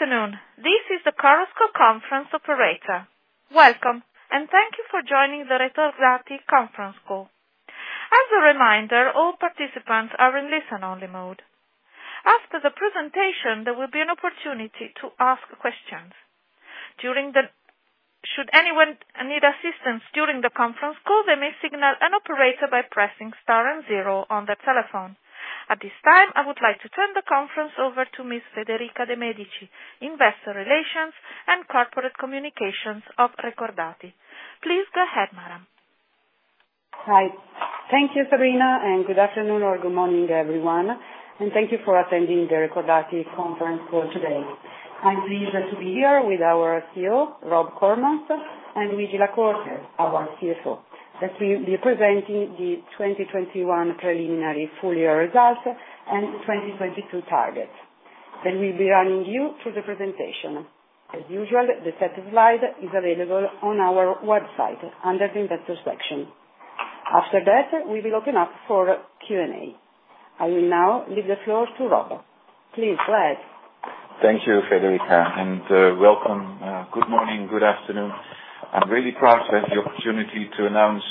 Afternoon. This is the Chorus Call operator. Welcome, and thank you for joining the Recordati conference call. As a reminder, all participants are in listen-only mode. After the presentation, there will be an opportunity to ask questions. Should anyone need assistance during the conference call, they may signal an operator by pressing star and zero on their telephone. At this time, I would like to turn the conference over to Miss Federica De Medici, Investor Relations and Corporate Communications of Recordati. Please go ahead, madam. Hi. Thank you, Sabrina, and good afternoon or good morning, everyone, and thank you for attending the Recordati conference call today. I'm pleased to be here with our CEO, Rob Koremans, and Luigi La Corte, our CFO, that will be presenting the 2021 preliminary full year results and 2022 targets. We'll be running you through the presentation. As usual, the set of slides is available on our website under the Investors section. After that, we'll be opening up for Q&A. I will now leave the floor to Rob. Please go ahead. Thank you, Federica, and welcome. Good morning, good afternoon. I'm really proud to have the opportunity to announce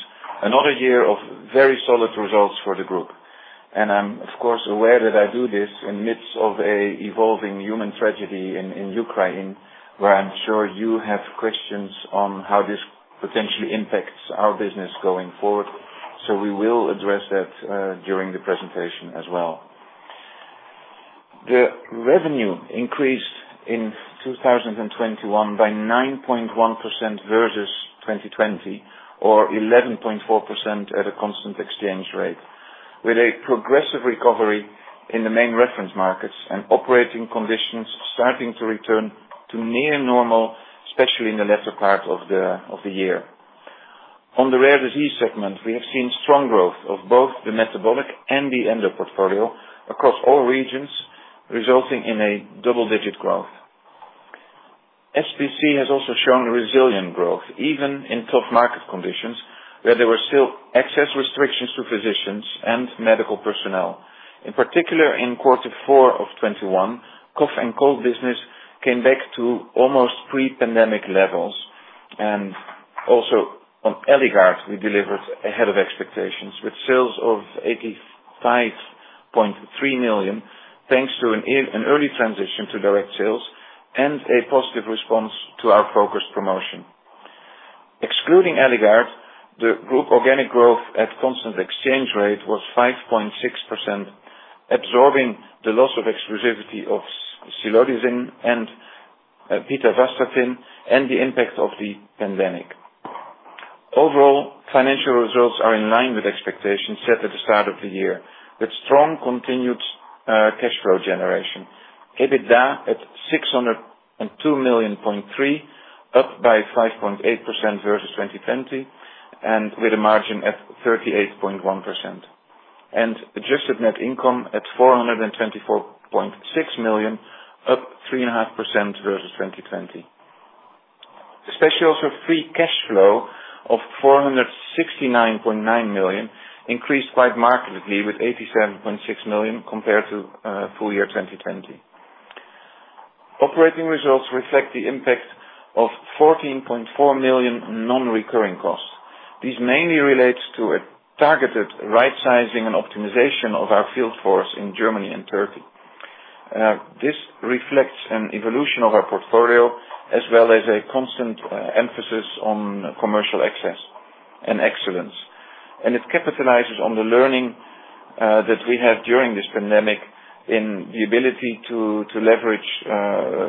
another year of very solid results for the group. I'm, of course, aware that I do this in the midst of an evolving human tragedy in Ukraine, where I'm sure you have questions on how this potentially impacts our business going forward. We will address that during the presentation as well. The revenue increased in 2021 by 9.1% versus 2020 or 11.4% at a constant exchange rate. With a progressive recovery in the main reference markets and operating conditions starting to return to near normal, especially in the latter part of the year. On the rare disease segment, we have seen strong growth of both the metabolic and the Endo portfolio across all regions, resulting in a double-digit growth. SPC has also shown resilient growth, even in tough market conditions, where there were still access restrictions to physicians and medical personnel. In particular, in quarter four of 2021, cough and cold business came back to almost pre-pandemic levels. Also on Eligard, we delivered ahead of expectations with sales of 85.3 million, thanks to an early transition to direct sales and a positive response to our focused promotion. Excluding Eligard, the group organic growth at constant exchange rate was 5.6%, absorbing the loss of exclusivity of silodosin and pitavastatin and the impact of the pandemic. Overall, financial results are in line with expectations set at the start of the year, with strong continued cash flow generation. EBITDA at 602.3 million, up 5.8% versus 2020 and with a margin at 38.1%. Adjusted net income at 424.6 million, up 3.5% versus 2020. Especially also free cash flow of 469.9 million increased quite markedly by 87.6 million compared to full year 2020. Operating results reflect the impact of 14.4 million non-recurring costs. This mainly relates to a targeted right sizing and optimization of our field force in Germany and Turkey. This reflects an evolution of our portfolio as well as a constant emphasis on commercial access and excellence. It capitalizes on the learning that we have during this pandemic in the ability to leverage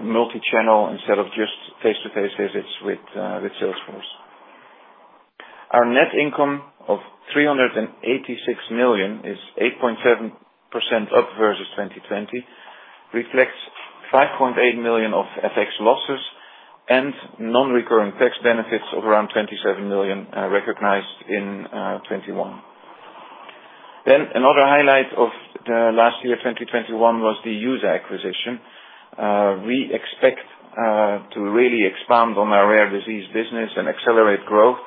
multi-channel instead of just face-to-face visits with sales force. Our net income of 386 million is 8.7% up versus 2020, reflects 5.8 million of FX losses and non-recurring tax benefits of around 27 million recognized in 2021. Another highlight of the last year, 2021, was the EUSA acquisition. We expect to really expand on our rare disease business and accelerate growth.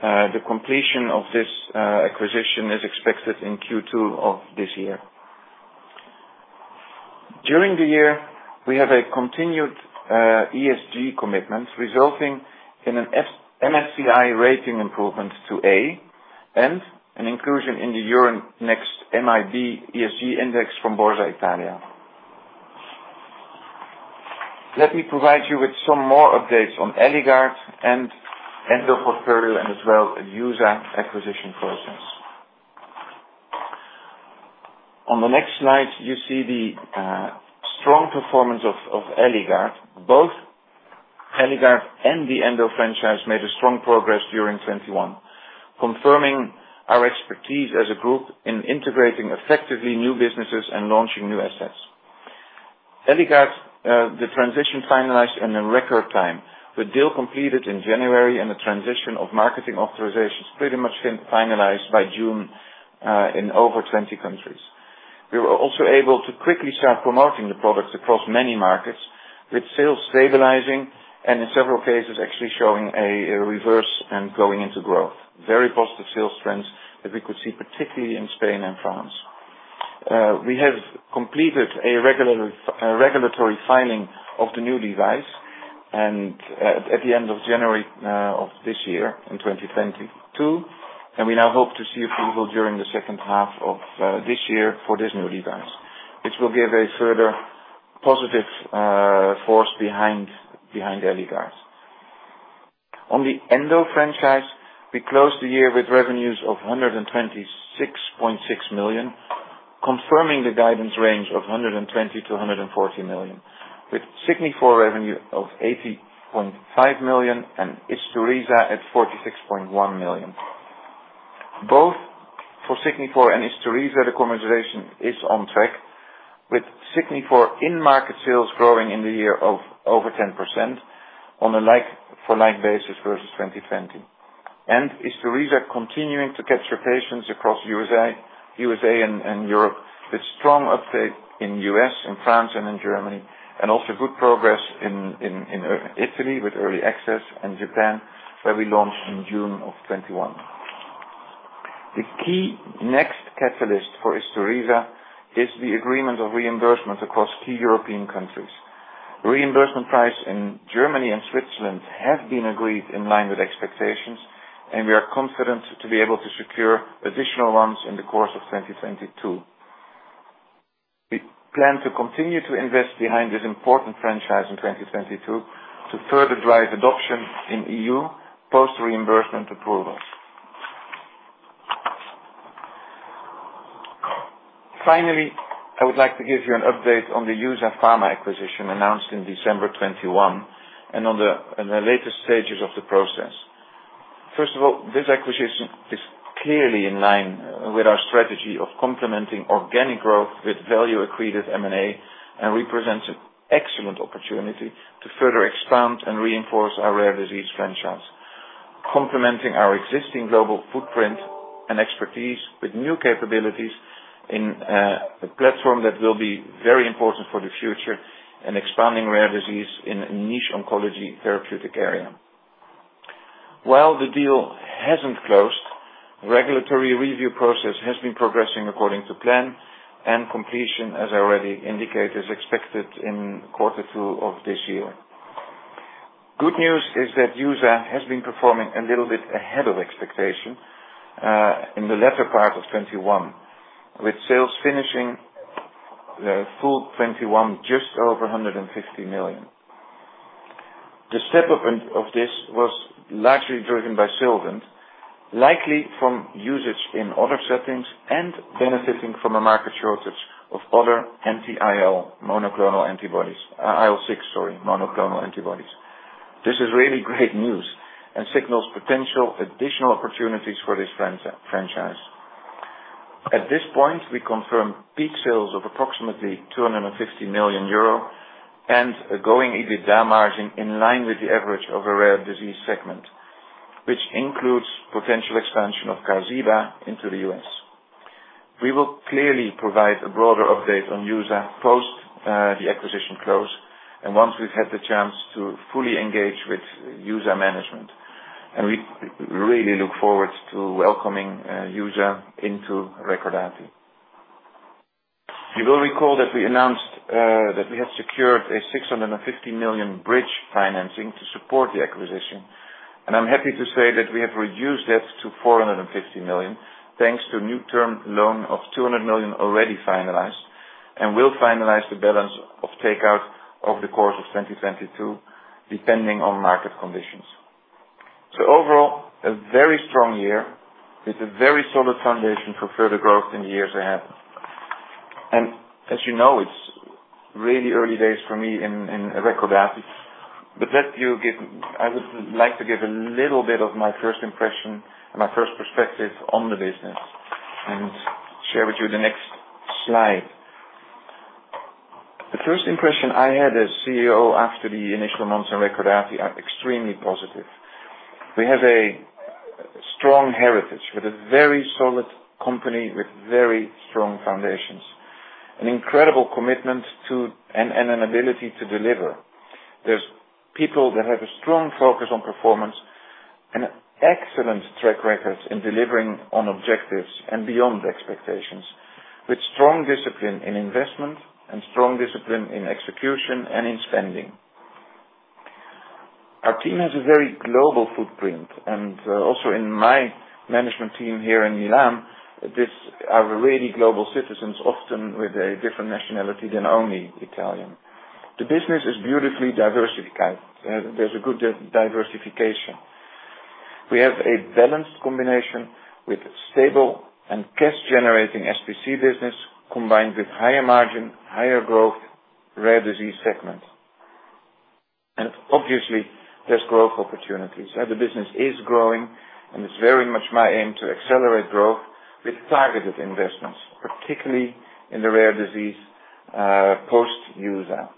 The completion of this acquisition is expected in Q2 of this year. During the year, we have a continued ESG commitment resulting in an MSCI rating improvement to A and an inclusion in the Euronext MIB ESG index from Borsa Italiana. Let me provide you with some more updates on Eligard and Endo portfolio and as well EUSA acquisition process. On the next slide, you see the strong performance of Eligard. Both Eligard and the Endo franchise made a strong progress during 2021, confirming our expertise as a group in integrating effectively new businesses and launching new assets. Eligard, the transition finalized in a record time, with deal completed in January and the transition of marketing authorizations pretty much finalized by June, in over 20 countries. We were also able to quickly start promoting the products across many markets, with sales stabilizing and in several cases, actually showing a reversal and going into growth. Very positive sales trends that we could see, particularly in Spain and France. We have completed a regular regulatory filing of the new device and at the end of January of this year in 2022, and we now hope to see approval during the second half of this year for this new device. Which will give a further positive force behind Eligard. On the Endo franchise, we closed the year with revenues of 126.6 million, confirming the guidance range of 120 million-140 million, with Signifor revenue of 80.5 million and Isturisa at 46.1 million. Both for Signifor and Isturisa, the combination is on track, with Signifor in-market sales growing in the year of over 10% on a like-for-like basis versus 2020. Isturisa continuing to capture patients across U.S.A. and Europe with strong uptake in U.S., in France and in Germany, and also good progress in Italy with early access and Japan, where we launched in June 2021. The key next catalyst for Isturisa is the agreement of reimbursement across key European countries. Reimbursement price in Germany and Switzerland have been agreed in line with expectations, and we are confident to be able to secure additional ones in the course of 2022. We plan to continue to invest behind this important franchise in 2022 to further drive adoption in EU post reimbursement approvals. Finally, I would like to give you an update on the EUSA Pharma acquisition announced in December 2021, and on the latest stages of the process. First of all, this acquisition is clearly in line with our strategy of complementing organic growth with value-accretive M&A, and represents excellent opportunity to further expand and reinforce our rare disease franchise, complementing our existing global footprint and expertise with new capabilities in a platform that will be very important for the future and expanding rare disease in a niche oncology therapeutic area. While the deal hasn't closed, regulatory review process has been progressing according to plan and completion, as I already indicated, is expected in quarter two of this year. Good news is that EUSA has been performing a little bit ahead of expectation in the latter part of 2021, with sales finishing full 2021 just over 150 million. The step up of this was largely driven by Sylvant, likely from usage in other settings and benefiting from a market shortage of other anti-IL-6 monoclonal antibodies. This is really great news and signals potential additional opportunities for this franchise. At this point, we confirm peak sales of approximately 250 million euro and a growing EBITDA margin in line with the average of a rare disease segment, which includes potential expansion of Qarziba into the U.S. We will clearly provide a broader update on EUSA post the acquisition close, and once we've had the chance to fully engage with EUSA management. We really look forward to welcoming EUSA into Recordati. You will recall that we announced that we had secured a 650 million bridge financing to support the acquisition, and I'm happy to say that we have reduced that to 450 million, thanks to a new term loan of 200 million already finalized and will finalize the balance of takeout over the course of 2022, depending on market conditions. Overall, a very strong year with a very solid foundation for further growth in the years ahead. As you know, it's really early days for me in Recordati. I would like to give a little bit of my first impression and my first perspective on the business and share with you the next slide. The first impression I had as CEO after the initial months in Recordati are extremely positive. We have a strong heritage with a very solid company, with very strong foundations, an incredible commitment to and an ability to deliver. There are people that have a strong focus on performance and excellent track records in delivering on objectives and beyond expectations, with strong discipline in investment and strong discipline in execution and in spending. Our team has a very global footprint. Also in my management team here in Milan, these are really global citizens, often with a different nationality than only Italian. The business is beautifully diversified. There's a good diversification. We have a balanced combination with stable and cash generating SPC business, combined with higher margin, higher growth, rare disease segments. Obviously, there's growth opportunities. The business is growing, and it's very much my aim to accelerate growth with targeted investments, particularly in the rare disease post user.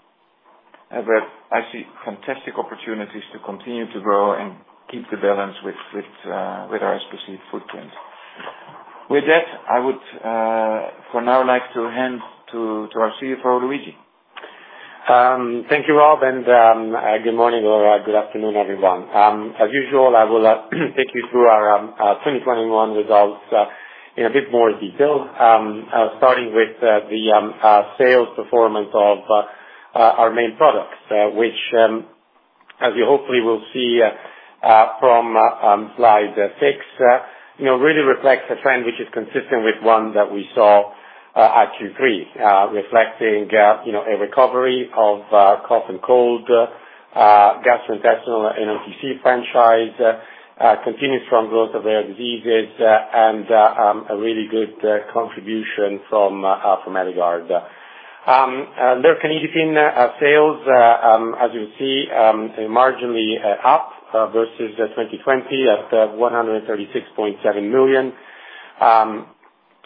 where I see fantastic opportunities to continue to grow and keep the balance with our SPC footprint. With that, I would for now like to hand to our CFO, Luigi. Thank you, Rob, and good morning or good afternoon, everyone. As usual, I will take you through our 2021 results in a bit more detail, starting with the sales performance of our main products, which, as you hopefully will see from slide six, you know, really reflects the trend which is consistent with one that we saw at Q3, reflecting, you know, a recovery of cough and cold, gastrointestinal and OTC franchise, continued strong growth of rare diseases and a really good contribution from Eligard. Lercanidipine sales, as you'll see, marginally up versus 2020 at 136.7 million.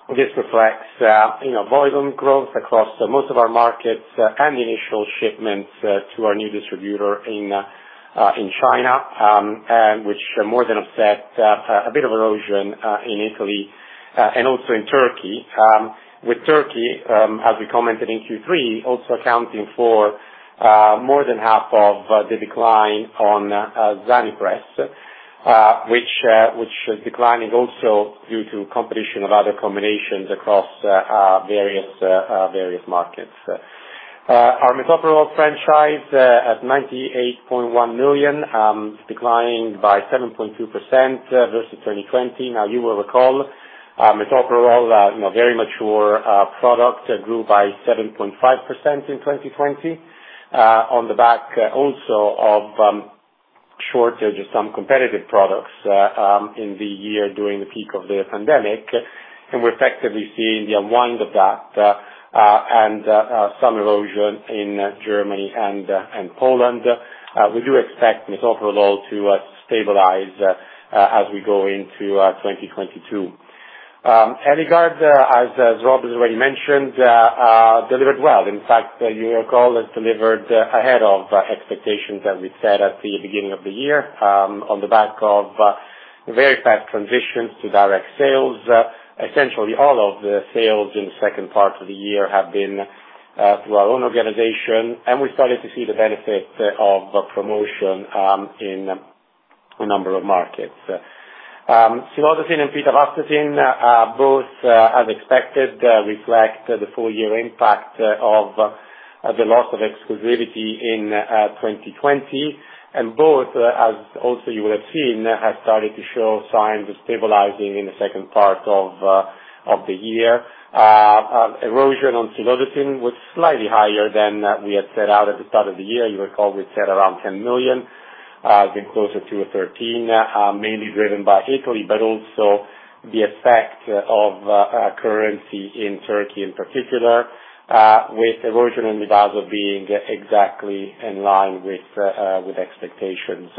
This reflects, you know, volume growth across most of our markets and the initial shipments to our new distributor in China, and which more than offset a bit of erosion in Italy and also in Turkey. With Turkey, as we commented in Q3, also accounting for more than half of the decline on Zanipress, which is declining also due to competition of other combinations across various markets. Our metoprolol franchise at 98.1 million declined by 7.2% versus 2020. Now you will recall, metoprolol, you know, very mature product grew by 7.5% in 2020 on the back also of shortage of some competitive products in the year during the peak of the pandemic. We're effectively seeing the unwind of that, and some erosion in Germany and Poland. We do expect metoprolol to stabilize as we go into 2022. Eligard, as Rob has already mentioned, delivered well. In fact, you will recall, it delivered ahead of expectations that we'd set at the beginning of the year on the back of a very fast transition to direct sales. Essentially all of the sales in the second part of the year have been through our own organization, and we started to see the benefit of promotion in a number of markets. Silodosin and pitavastatin are both, as expected, reflect the full year impact of the loss of exclusivity in 2020. Both, as also you would have seen, have started to show signs of stabilizing in the second part of the year. Erosion on silodosin was slightly higher than we had set out at the start of the year. You'll recall we'd set around 10 million. It's been closer to 13 million, mainly driven by Italy, but also the effect of currency in Turkey in particular, with erosion in Livazo being exactly in line with expectations.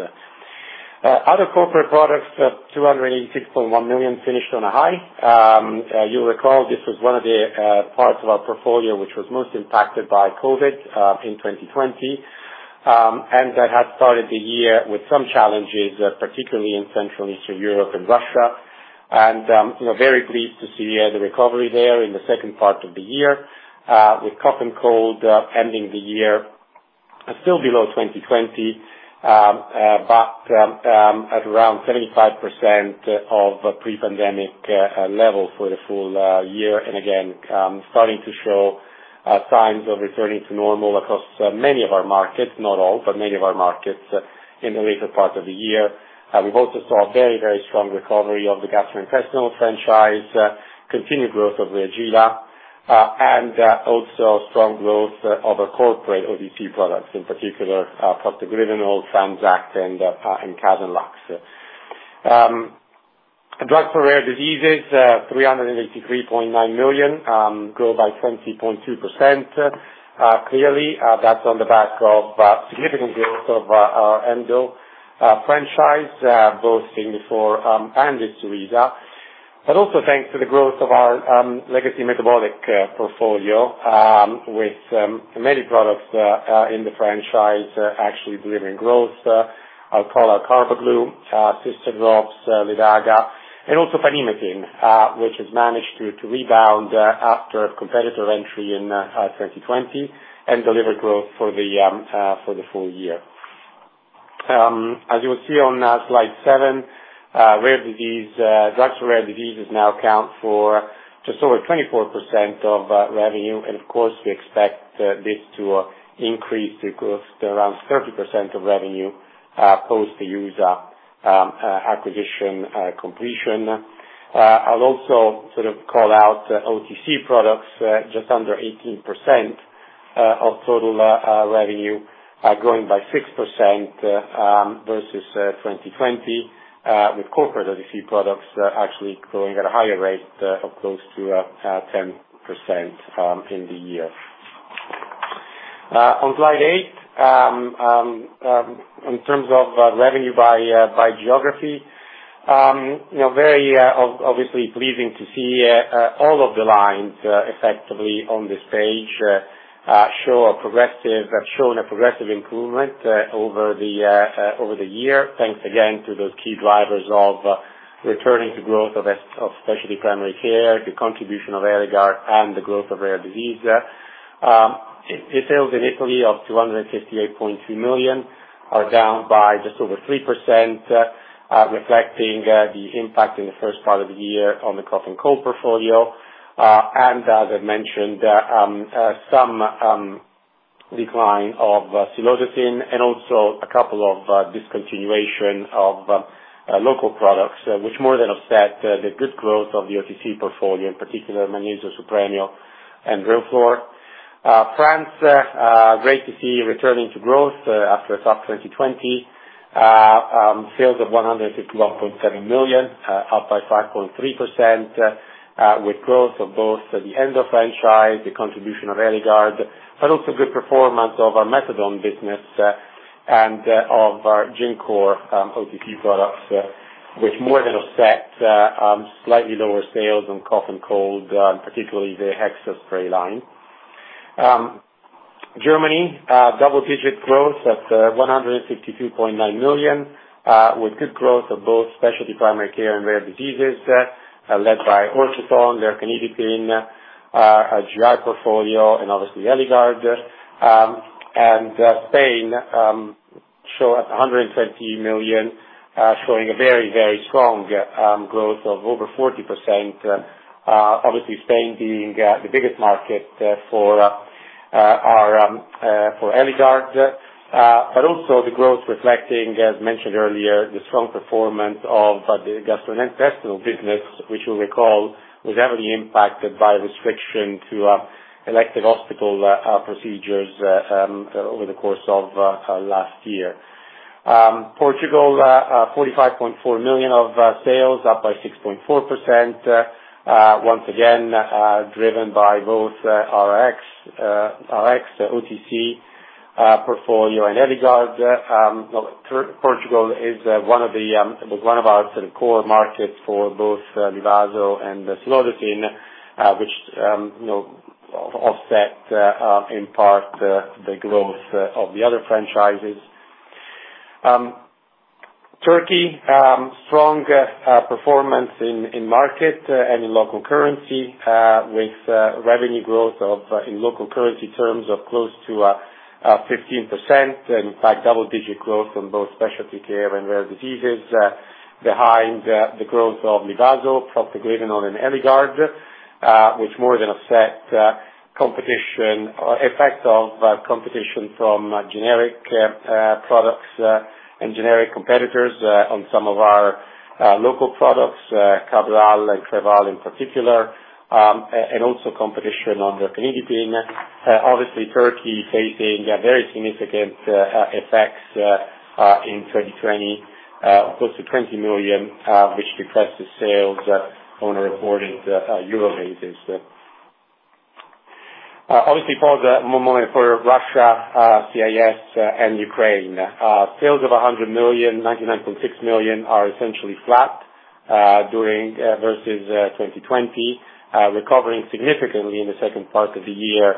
Other corporate products, 286.1 million, finished on a high. You'll recall this was one of the parts of our portfolio which was most impacted by COVID in 2020. That had started the year with some challenges, particularly in Central and Eastern Europe and Russia. You know, very pleased to see the recovery there in the second part of the year, with cough and cold ending the year still below 2020, but at around 75% of pre-pandemic level for the full year. Again, starting to show signs of returning to normal across many of our markets, not all, but many of our markets in the later part of the year. We've also saw a very, very strong recovery of the gastrointestinal franchise, continued growth of Reagila, and also strong growth of the corporate OTC products, in particular, proto-Glyvenol, TransAct and Casenlax. Drugs for rare diseases 383.9 million grew by 20.2%. Clearly, that's on the back of significant growth of our Endo franchise, both Signifor and Isturisa. Also thanks to the growth of our legacy metabolic portfolio, with many products in the franchise actually delivering growth. I'll call out Carbaglu, Cystadrops, Ledaga, and also Panhematin, which has managed to rebound after competitor entry in 2020, and deliver growth for the full year. As you will see on slide seven, rare disease drugs for rare diseases now account for just over 24% of revenue. Of course, we expect this to increase to close to around 30% of revenue post the EUSA acquisition completion. I'll also sort of call out OTC products just under 18% of total revenue growing by 6% versus 2020 with core OTC products actually growing at a higher rate of close to 10% in the year. On slide eight, in terms of revenue by geography, you know, very obviously pleasing to see all of the lines effectively on this page have shown a progressive improvement over the year. Thanks again to those key drivers of returning to growth of Specialty Primary Care, the contribution of Eligard and the growth of rare disease. In sales in Italy of 258.2 million are down by just over 3%, reflecting the impact in the first part of the year on the cough and cold portfolio. As I mentioned, some decline of silodosin and also a couple of discontinuation of local products, which more than offset the good growth of the OTC portfolio, in particular, Magnesio Supremo and Grisù. France, great to see returning to growth after a tough 2020. Sales of 151.7 million, up by 5.3%, with growth of both the Endo franchise, the contribution of Eligard, but also good performance of our methadone business and of our Ginkor OTC products, which more than offset slightly lower sales on cough and cold, particularly the Hexaspray line. Germany, double-digit growth at 162.9 million, with good growth of both specialty primary care and rare diseases, led by Ortoton, lercanidipine, GI portfolio and obviously Eligard. Spain at 120 million, showing a very, very strong growth of over 40%. Obviously Spain being the biggest market for our Eligard. But also the growth reflecting, as mentioned earlier, the strong performance of the gastrointestinal business, which you'll recall was heavily impacted by restriction to elective hospital procedures over the course of last year. Portugal, 45.4 million of sales, up by 6.4%, once again driven by both Rx, OTC portfolio and Eligard. Portugal is one of our sort of core markets for both Livazo and silodosin, which you know offset in part the growth of the other franchises. Turkey strong performance in market and in local currency with revenue growth of, in local currency terms, of close to 15%. In fact, double-digit growth from both specialty care and rare diseases behind the growth of Livazo, Procto-Glyvenol and Eligard, which more than offset competition or effect of competition from generic products and generic competitors on some of our local products, Cabral and Creval in particular, and also competition on lercanidipine. Obviously Turkey facing a very significant effects in 2020 of close to 20 million, which reflects the sales on a reported Euro basis. Obviously Paul, one moment for Russia, CIS and Ukraine. Sales of 100 million, 99.6 million are essentially flat versus 2020, recovering significantly in the second part of the year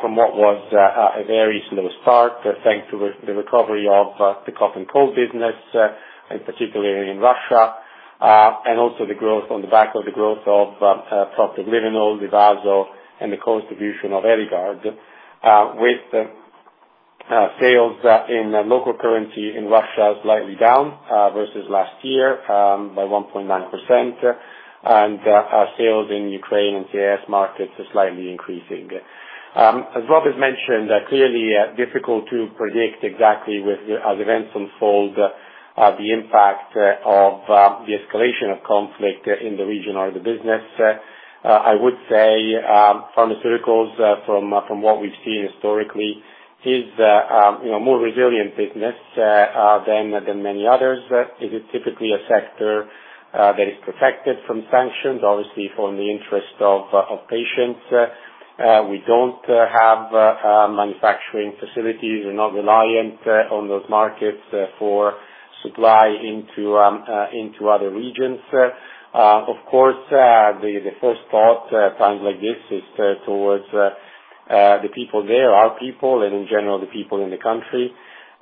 from what was a very slow start, thanks to the recovery of the cough and cold business, and particularly in Russia. And also the growth on the back of the growth of Propranolol, Livazo and the contribution of Eligard, with sales in local currency in Russia slightly down versus last year by 1.9%. Our sales in Ukraine and CIS markets are slightly increasing. As Rob has mentioned, clearly difficult to predict exactly with, as events unfold, the impact of the escalation of conflict in the region on the business. I would say, pharmaceuticals from what we've seen historically is a more resilient business than many others. It is typically a sector that is protected from sanctions, obviously for the interest of patients. We don't have manufacturing facilities. We're not reliant on those markets for supply into other regions. Of course, the first thought in times like this is towards the people there, our people, and in general, the people in the country.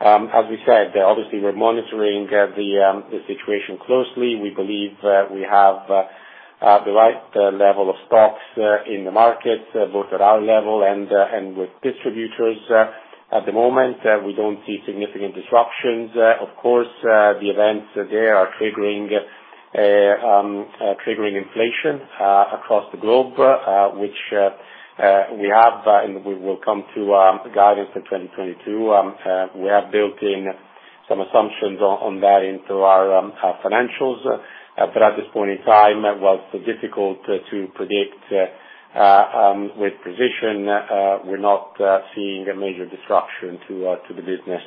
As we said, obviously we're monitoring the situation closely. We believe we have the right level of stocks in the market both at our level and with distributors. At the moment, we don't see significant disruptions. Of course, the events there are triggering inflation across the globe, which we have, and we will come to guidance for 2022. We have built in some assumptions on that into our financials. At this point in time, while it's difficult to predict with precision, we're not seeing a major disruption to the business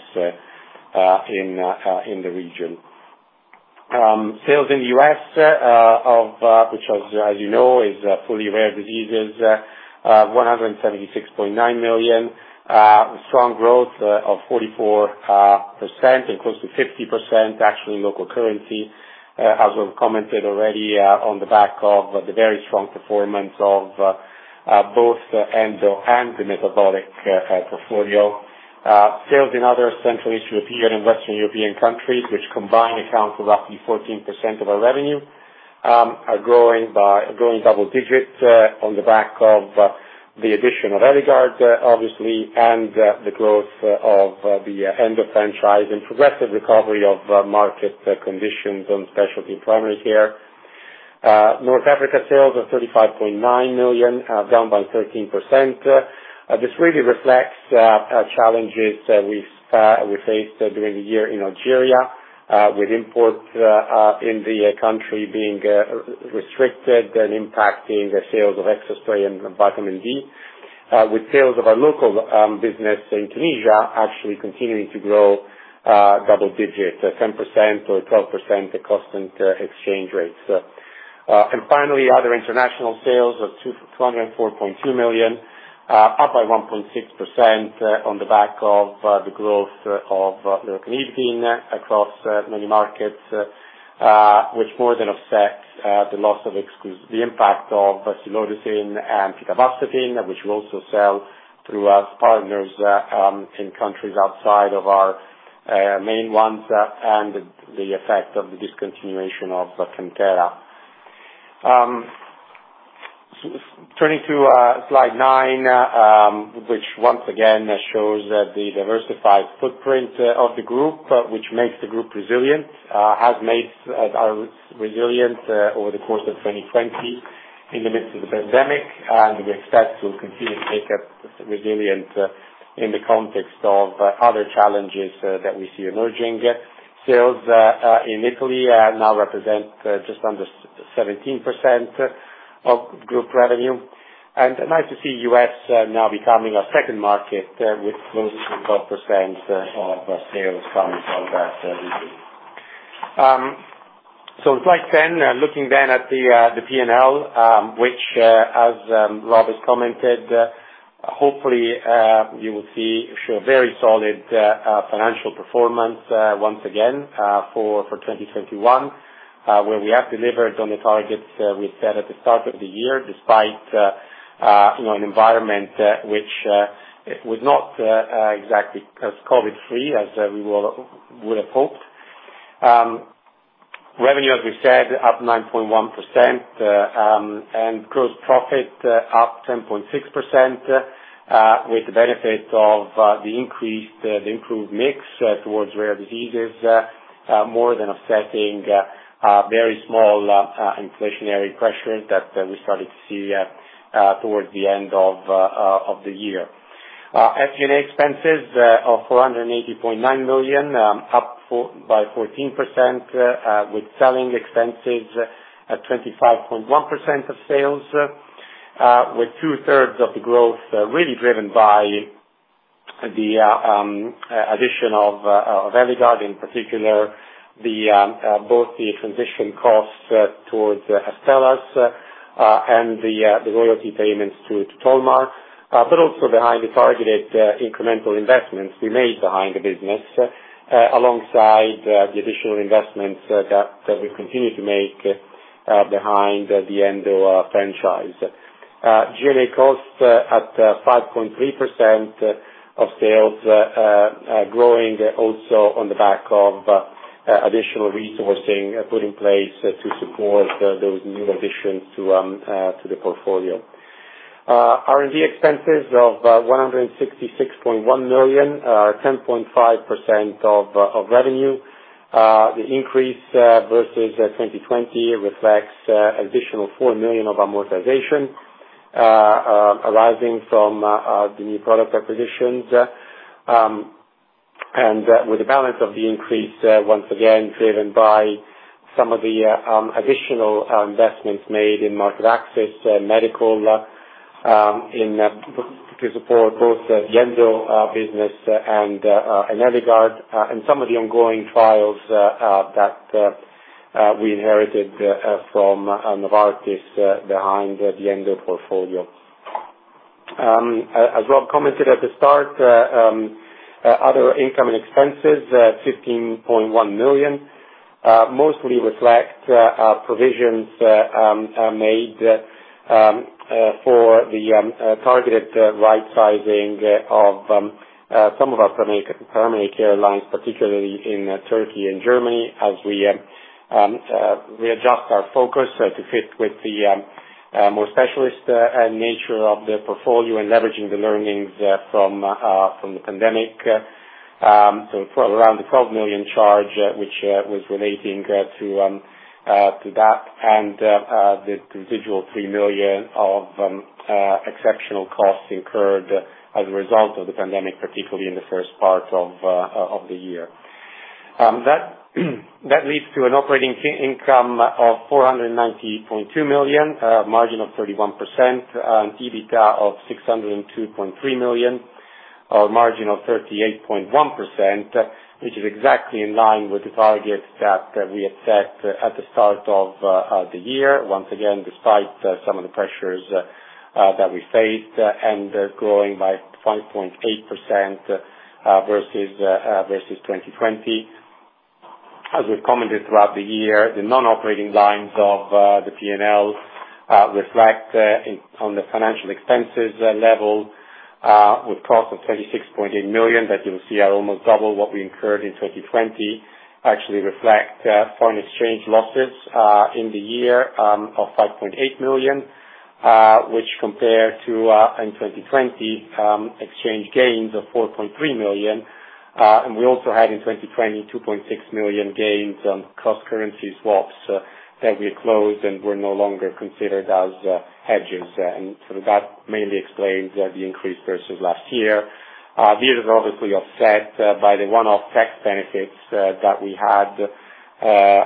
in the region. Sales in the U.S., of which as you know is fully Rare Diseases, 176.9 million, strong growth of 44% and close to 50% actually in local currency. As I've commented already, on the back of the very strong performance of both Endo and the metabolic portfolio. Sales in other Central, Eastern European and Western European countries, which combined account for roughly 14% of our revenue, are growing double digits on the back of the addition of Eligard obviously, and the growth of the Endo franchise and progressive recovery of market conditions on specialty primary care. North Africa sales of 35.9 million, down by 13%. This really reflects our challenges that we faced during the year in Algeria with imports in the country being restricted and impacting the sales of Hexaspray and vitamin D. Sales of our local business in Tunisia actually continuing to grow double digits, 10% or 12% at constant exchange rates. Finally, other international sales of 24.2 million, up by 1.6% on the back of the growth of lercanidipine across many markets, which more than offsets the impact of silodosin and pitavastatin, which we also sell through our partners in countries outside of our main ones, and the effect of the discontinuation of Kyntheum. Turning to slide nine, which once again shows that the diversified footprint of the group, which makes the group resilient, has made us resilient over the course of 2020 in the midst of the pandemic. We expect to continue to stay resilient in the context of other challenges that we see emerging. Sales in Italy now represent just under 17% of group revenue. Nice to see U.S. now becoming our second market with close to 12% of our sales coming from that region. Slide 10. Looking at the P&L, which, as Rob has commented, hopefully you will show very solid financial performance once again for 2021, where we have delivered on the targets we set at the start of the year, despite you know an environment which it was not exactly as COVID free as we all would have hoped. Revenue as we said up 9.1%, and gross profit up 10.6%, with the benefit of the improved mix towards rare diseases more than offsetting very small inflationary pressures that we started to see towards the end of the year. SG&A expenses are 480.9 million, up by 14%, with selling expenses at 25.1% of sales, with two-thirds of the growth really driven by the addition of Eligard in particular, both the transition costs towards Astellas and the royalty payments to Tolmar. But also behind the targeted incremental investments we made behind the business, alongside the additional investments that we continue to make behind the Endo franchise. G&A costs at 5.3% of sales, growing also on the back of additional resourcing put in place to support those new additions to the portfolio. R&D expenses of 166.1 million, 10.5% of revenue. The increase versus 2020 reflects additional 4 million of amortization arising from the new product acquisitions. The balance of the increase is once again driven by some of the additional investments made in market access, medical, to support both the Endo business and Eligard, and some of the ongoing trials that we inherited from Novartis behind the Endo portfolio. As Rob commented at the start, other income and expenses, 15.1 million, mostly reflect provisions made for the targeted rightsizing of some of our primary care lines, particularly in Turkey and Germany, as we adjust our focus to fit with the more specialist nature of the portfolio and leveraging the learnings from the pandemic. Around the 12 million charge, which was relating to that and the residual 3 million of exceptional costs incurred as a result of the pandemic particularly in the first part of the year. That leads to an operating income of 490.2 million, margin of 31%, and EBITDA of 602.3 million, or margin of 38.1%, which is exactly in line with the target that we had set at the start of the year. Once again, despite some of the pressures that we faced and growing by 5.8% versus 2020. As we've commented throughout the year, the non-operating lines of the P&L reflect on the financial expenses level with cost of 36.8 million that you'll see are almost double what we incurred in 2020. Actually reflect foreign exchange losses in the year of 5.8 million, which compare to in 2020 exchange gains of 4.3 million. We also had in 2020 2.6 million gains on cross-currency swaps that we closed and were no longer considered as hedges. That mainly explains the increase versus last year. These are obviously offset by the one-off tax benefits that we had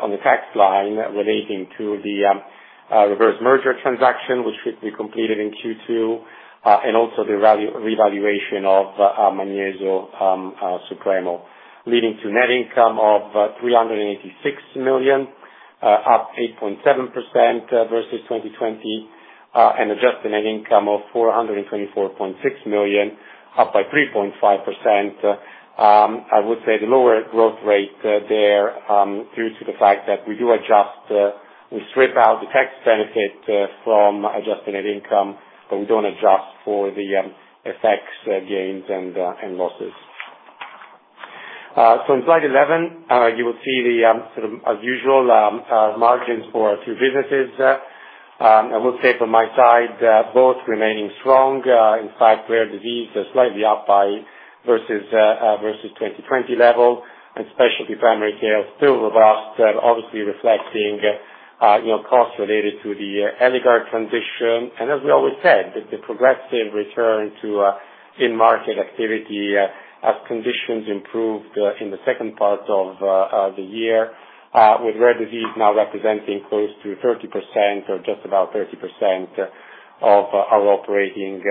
on the tax line relating to the reverse merger transaction, which should be completed in Q2, and also the revaluation of Magnesio Supremo, leading to net income of 386 million, up 8.7% versus 2020, and adjusted net income of 424.6 million, up by 3.5%. I would say the lower growth rate there due to the fact that we do adjust, we strip out the tax benefit from adjusted net income, but we don't adjust for the FX gains and losses. In slide 11, you will see the sort of usual margins for our two businesses. I will say from my side, both remaining strong. In fact, rare diseases is slightly up by versus 2020 level, and Specialty & Primary Care is still robust, obviously reflecting you know costs related to the Eligard transition. As we always said, that the progressive return to in-market activity as conditions improved in the second part of the year with rare disease now representing close to 30% or just about 30% of our operating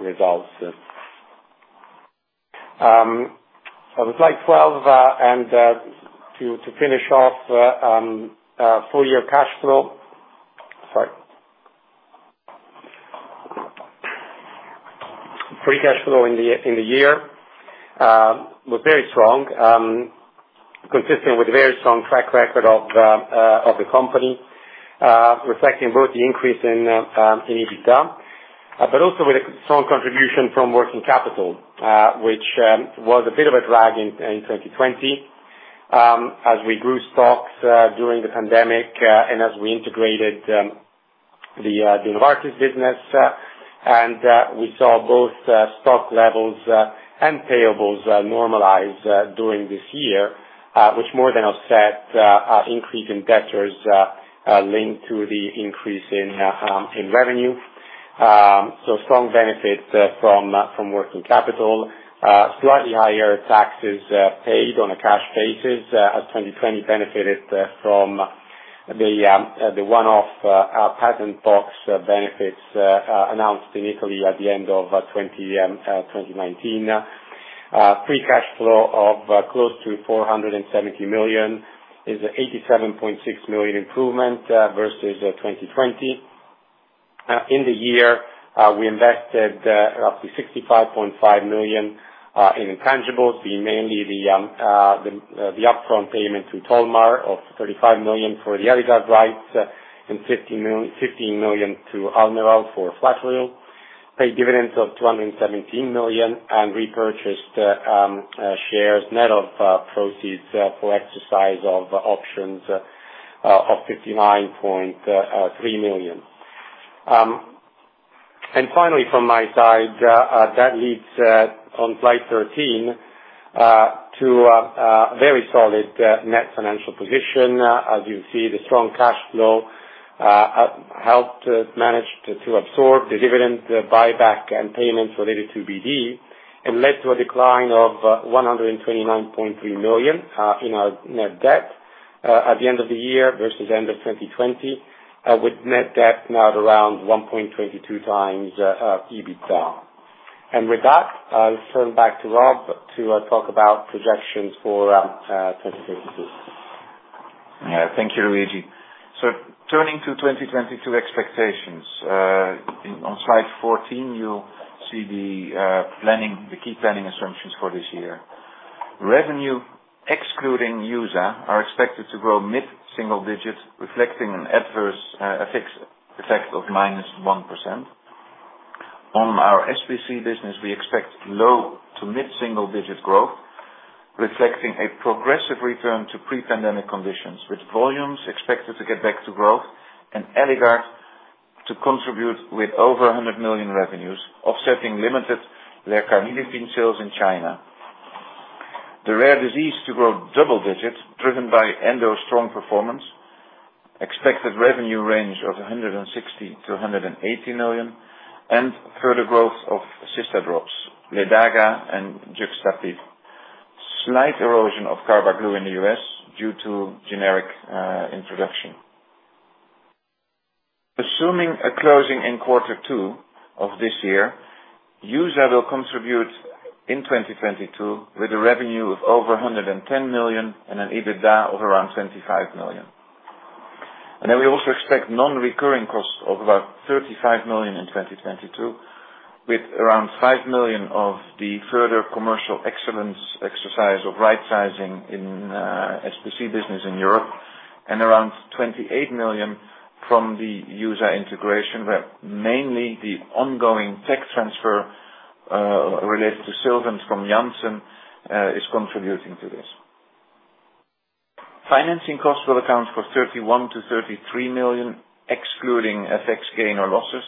results. On slide 12 and to finish off full year cash flow. Sorry. Free cash flow in the year was very strong, consistent with a very strong track record of the company, reflecting both the increase in EBITDA, but also with a strong contribution from working capital, which was a bit of a drag in 2020, as we grew stocks during the pandemic, and as we integrated the Novartis business, and we saw both stock levels and payables normalize during this year, which more than offset our increase in debtors linked to the increase in revenue. Strong benefit from working capital, slightly higher taxes paid on a cash basis, as 2020 benefited from the one-off patent box benefits announced in Italy at the end of 2019. Free cash flow of close to 470 million is 87.6 million improvement versus 2020. In the year, we invested up to 65.5 million in intangibles, being mainly the upfront payment to Tolmar of 35 million for the Eligard rights and 15 million to Almirall for Flatoril. Paid dividends of 217 million and repurchased shares net of proceeds for exercise of options of 59.3 million. Finally from my side, that leads on slide 13 to a very solid net financial position. As you see, the strong cash flow helped us manage to absorb the dividend buyback and payments related to BD and led to a decline of 129.3 million in our net debt at the end of the year versus end of 2020, with net debt now at around 1.22x EBITDA. With that, I'll turn back to Rob to talk about projections for 2022. Yeah. Thank you, Luigi. Turning to 2022 expectations, on slide 14, you'll see the key planning assumptions for this year. Revenue excluding EUSA is expected to grow mid-single digits, reflecting an adverse FX effect of -1%. On our SPC business, we expect low- to mid-single-digit growth, reflecting a progressive return to pre-pandemic conditions, with volumes expected to get back to growth and Eligard to contribute with over 100 million revenues, offsetting limited lercanidipine sales in China. The Rare Diseases [business] to grow double digits driven by Endo's strong performance, expected revenue range of 160 million-180 million, and further growth of Cystadrops, Ledaga and Juxtapid. Slight erosion of Carbaglu in the U.S. due to generic introduction. Assuming a closing in quarter 2 of this year, EUSA will contribute in 2022 with a revenue of over 110 million and an EBITDA of around 25 million. We also expect non-recurring costs of about 35 million in 2022, with around 5 million of the further commercial excellence exercise of rightsizing in SPC business in Europe, and around 28 million from the EUSA integration, where mainly the ongoing tech transfer related to Sylvant from Janssen is contributing to this. Financing costs will account for 31 million-33 million, excluding FX gain or losses.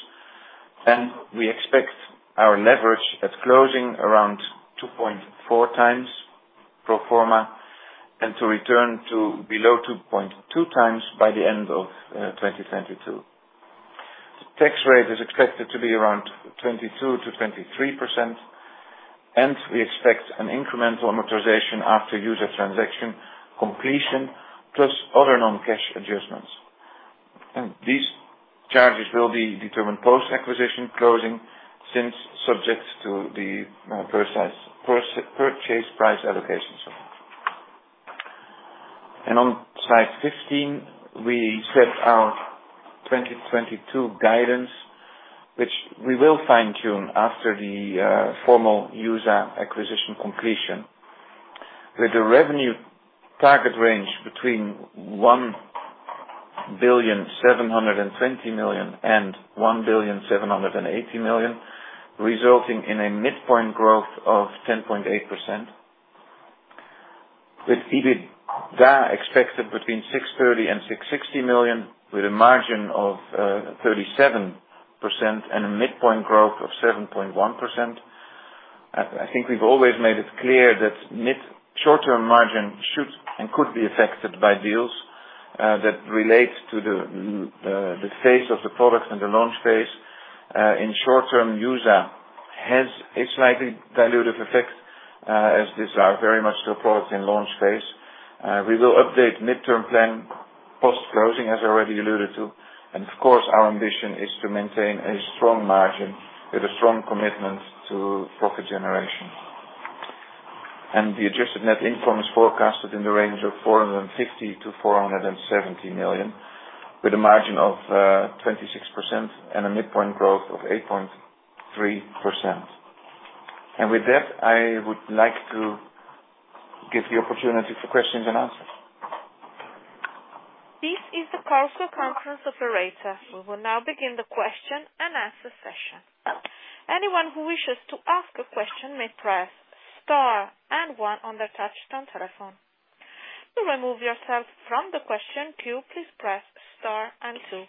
We expect our leverage at closing around 2.4x pro forma, and to return to below 2.2x by the end of 2022. Tax rate is expected to be around 22%-23%, and we expect an incremental amortization after EUSA transaction completion, plus other non-cash adjustments. These charges will be determined post-acquisition closing since subject to the purchase price allocations. On slide 15, we set our 2022 guidance, which we will fine-tune after the formal EUSA acquisition completion. With the revenue target range between 1,720 million and 1,780 million, resulting in a midpoint growth of 10.8%. With EBITDA expected between 630 million and 660 million, with a margin of 37% and a midpoint growth of 7.1%. I think we've always made it clear that mid- to short-term margin should and could be affected by deals that relate to the phase of the product and the launch phase. In short-term, it has a slightly dilutive effect, as these are very much still products in launch phase. We will update mid-term plan post-closing, as I already alluded to. Of course, our ambition is to maintain a strong margin with a strong commitment to profit generation. The adjusted net income is forecasted in the range of 450 million-470 million, with a margin of 26% and a midpoint growth of 8.3%. With that, I would like to give the opportunity for questions and answers. This is the Chorus Call conference operator. We will now begin the question and answer session. Anyone who wishes to ask a question may press star and one on their touchtone telephone. To remove yourself from the question queue, please press star and two.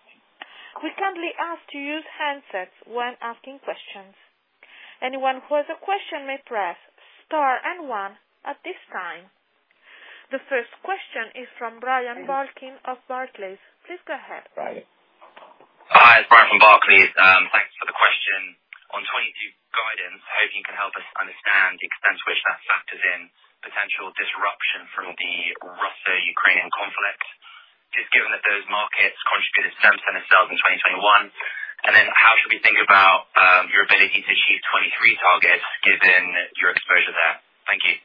We kindly ask to use handsets when asking questions. Anyone who has a question may press star and one at this time. The first question is from Brian Balchin of Barclays. Please go ahead, Brian. Hi, it's Brian from Barclays. Thanks for the question. On 2022 guidance, hoping you can help us understand the extent to which that factors in potential disruption from the Russia-Ukraine conflict, just given that those markets contributed 7% of sales in 2021. How should we think about your ability to achieve 2023 targets given your exposure there? Thank you.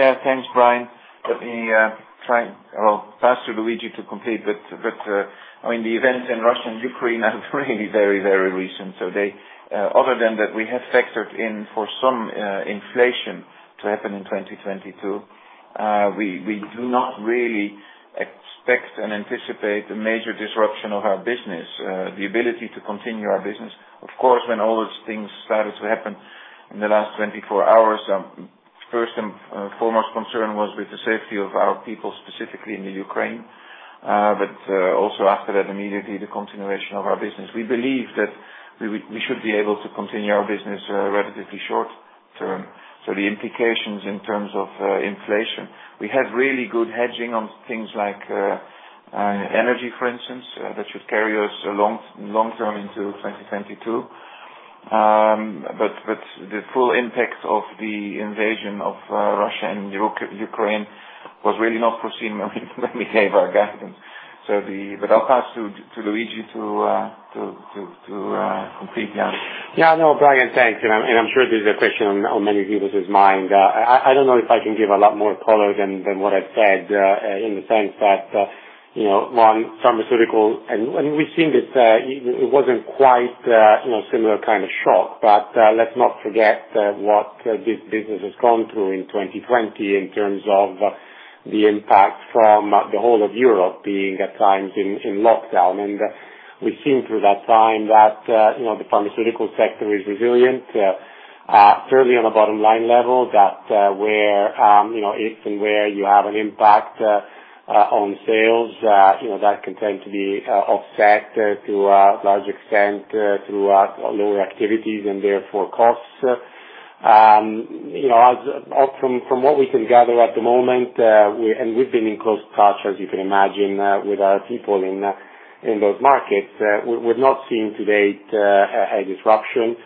Yeah, thanks, Brian. I'll pass to Luigi to complete, but I mean, the events in Russia and Ukraine are really very recent. So they. Other than that, we have factored in for some inflation to happen in 2022. We do not really expect and anticipate a major disruption of our business, the ability to continue our business. Of course, when all those things started to happen in the last 24 hours, first and foremost concern was with the safety of our people, specifically in Ukraine. But also after that, immediately the continuation of our business. We believe that we should be able to continue our business, relatively short term. The implications in terms of inflation, we have really good hedging on things like energy, for instance, that should carry us a long, long term into 2022. The full impact of the invasion of Russia and Ukraine was really not foreseen when we gave our guidance. I'll pass to Luigi to complete now. Yeah, no, Brian, thanks. I'm sure this is a question on many people's mind. I don't know if I can give a lot more color than what I've said in the sense that you know we've seen this. It wasn't quite you know similar kind of shock. Let's not forget what this business has gone through in 2020 in terms of the impact from the whole of Europe being at times in lockdown. We've seen through that time that, you know, the pharmaceutical sector is resilient, certainly on a bottom line level that, where, you know, if and where you have an impact on sales, you know, that can tend to be offset to a large extent through lower activities and therefore costs. You know, as from what we can gather at the moment, we've been in close touch, as you can imagine, with our people in those markets. We're not seeing to date a disruption.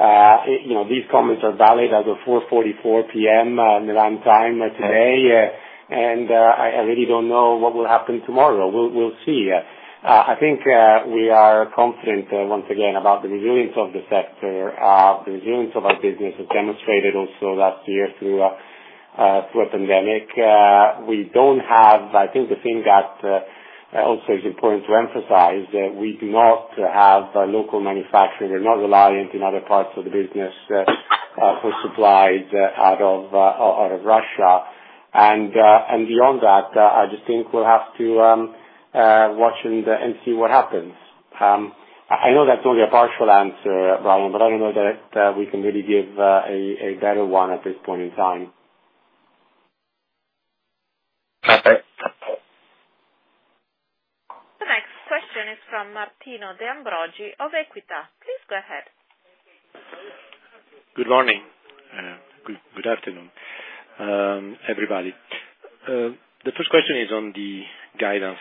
You know, these comments are valid as of 4:44 P.M., Milan time today. I really don't know what will happen tomorrow. We'll see. I think we are confident once again about the resilience of the sector. The resilience of our business has demonstrated also last year through a pandemic. I think the thing that also is important to emphasize, that we do not have a local manufacturer. We're not reliant in other parts of the business for supplies out of Russia. Beyond that, I just think we'll have to watch and see what happens. I know that's only a partial answer, Brian, but I don't know that we can really give a better one at this point in time. Okay. The next question is from Martino De Ambroggi of Equita. Please go ahead. Good morning. Good afternoon, everybody. The first question is on the guidance,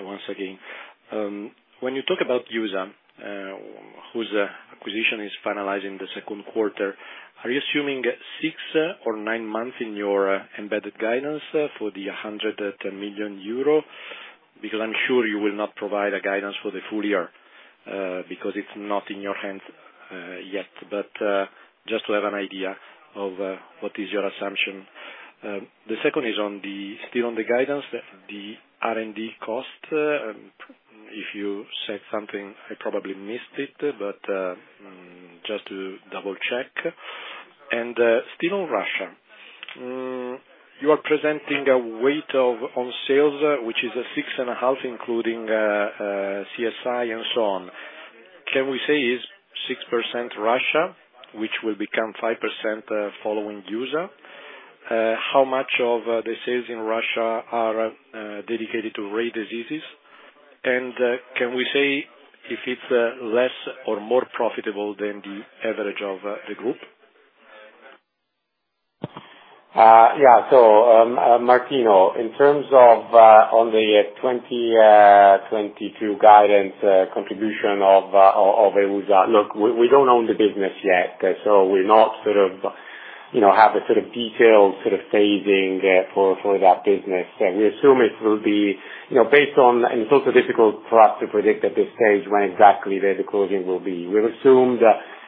once again. When you talk about EUSA, whose acquisition is finalizing in the second quarter. Are you assuming six months or nine months in your embedded guidance for the 110 million euro? Because I'm sure you will not provide a guidance for the full year, because it's not in your hands, yet. Just to have an idea of what is your assumption. The second is still on the guidance. The R&D cost, and if you said something, I probably missed it, but just to double-check. Still on Russia. You are presenting a weight on sales, which is 6.5%, including CIS and so on. Can we say it's 6% Russia, which will become 5%, following user? How much of the sales in Russia are dedicated to rare diseases? Can we say if it's less or more profitable than the average of the group? Martino, in terms of the 2022 guidance contribution of EUSA. Look, we don't own the business yet, so we're not sort of you know have a sort of detailed sort of phasing for that business. We assume it will be you know based on. It's also difficult for us to predict at this stage when exactly where the closing will be. We've assumed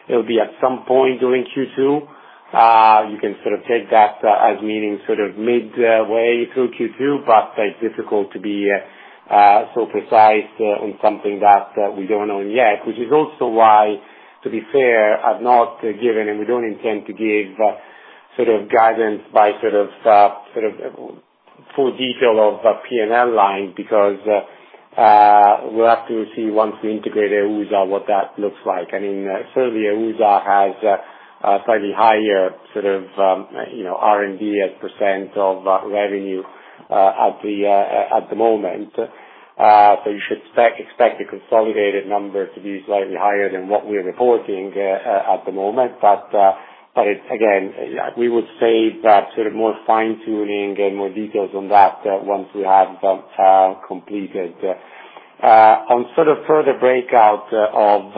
it'll be at some point during Q2. You can sort of take that as meaning sort of midway through Q2, but it's difficult to be so precise on something that we don't own yet, which is also why, to be fair, I've not given and we don't intend to give sort of guidance by full detail of a P&L line, because we'll have to see once we integrate EUSA what that looks like. I mean, certainly EUSA has a slightly higher sort of, you know, R&D as percent of revenue at the moment. So you should expect the consolidated number to be slightly higher than what we're reporting at the moment. Again, we would say that sort of more fine-tuning and more details on that once we have completed. On sort of further breakout of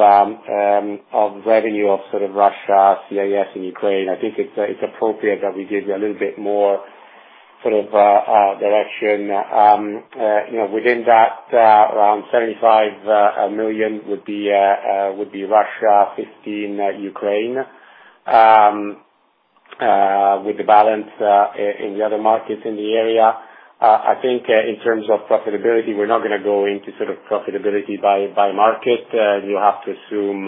revenue of sort of Russia, CIS and Ukraine. I think it's appropriate that we give you a little bit more sort of direction. You know, within that, around 75 million would be Russia, 15 million Ukraine. With the balance in the other markets in the area. I think in terms of profitability, we're not gonna go into sort of profitability by market. You have to assume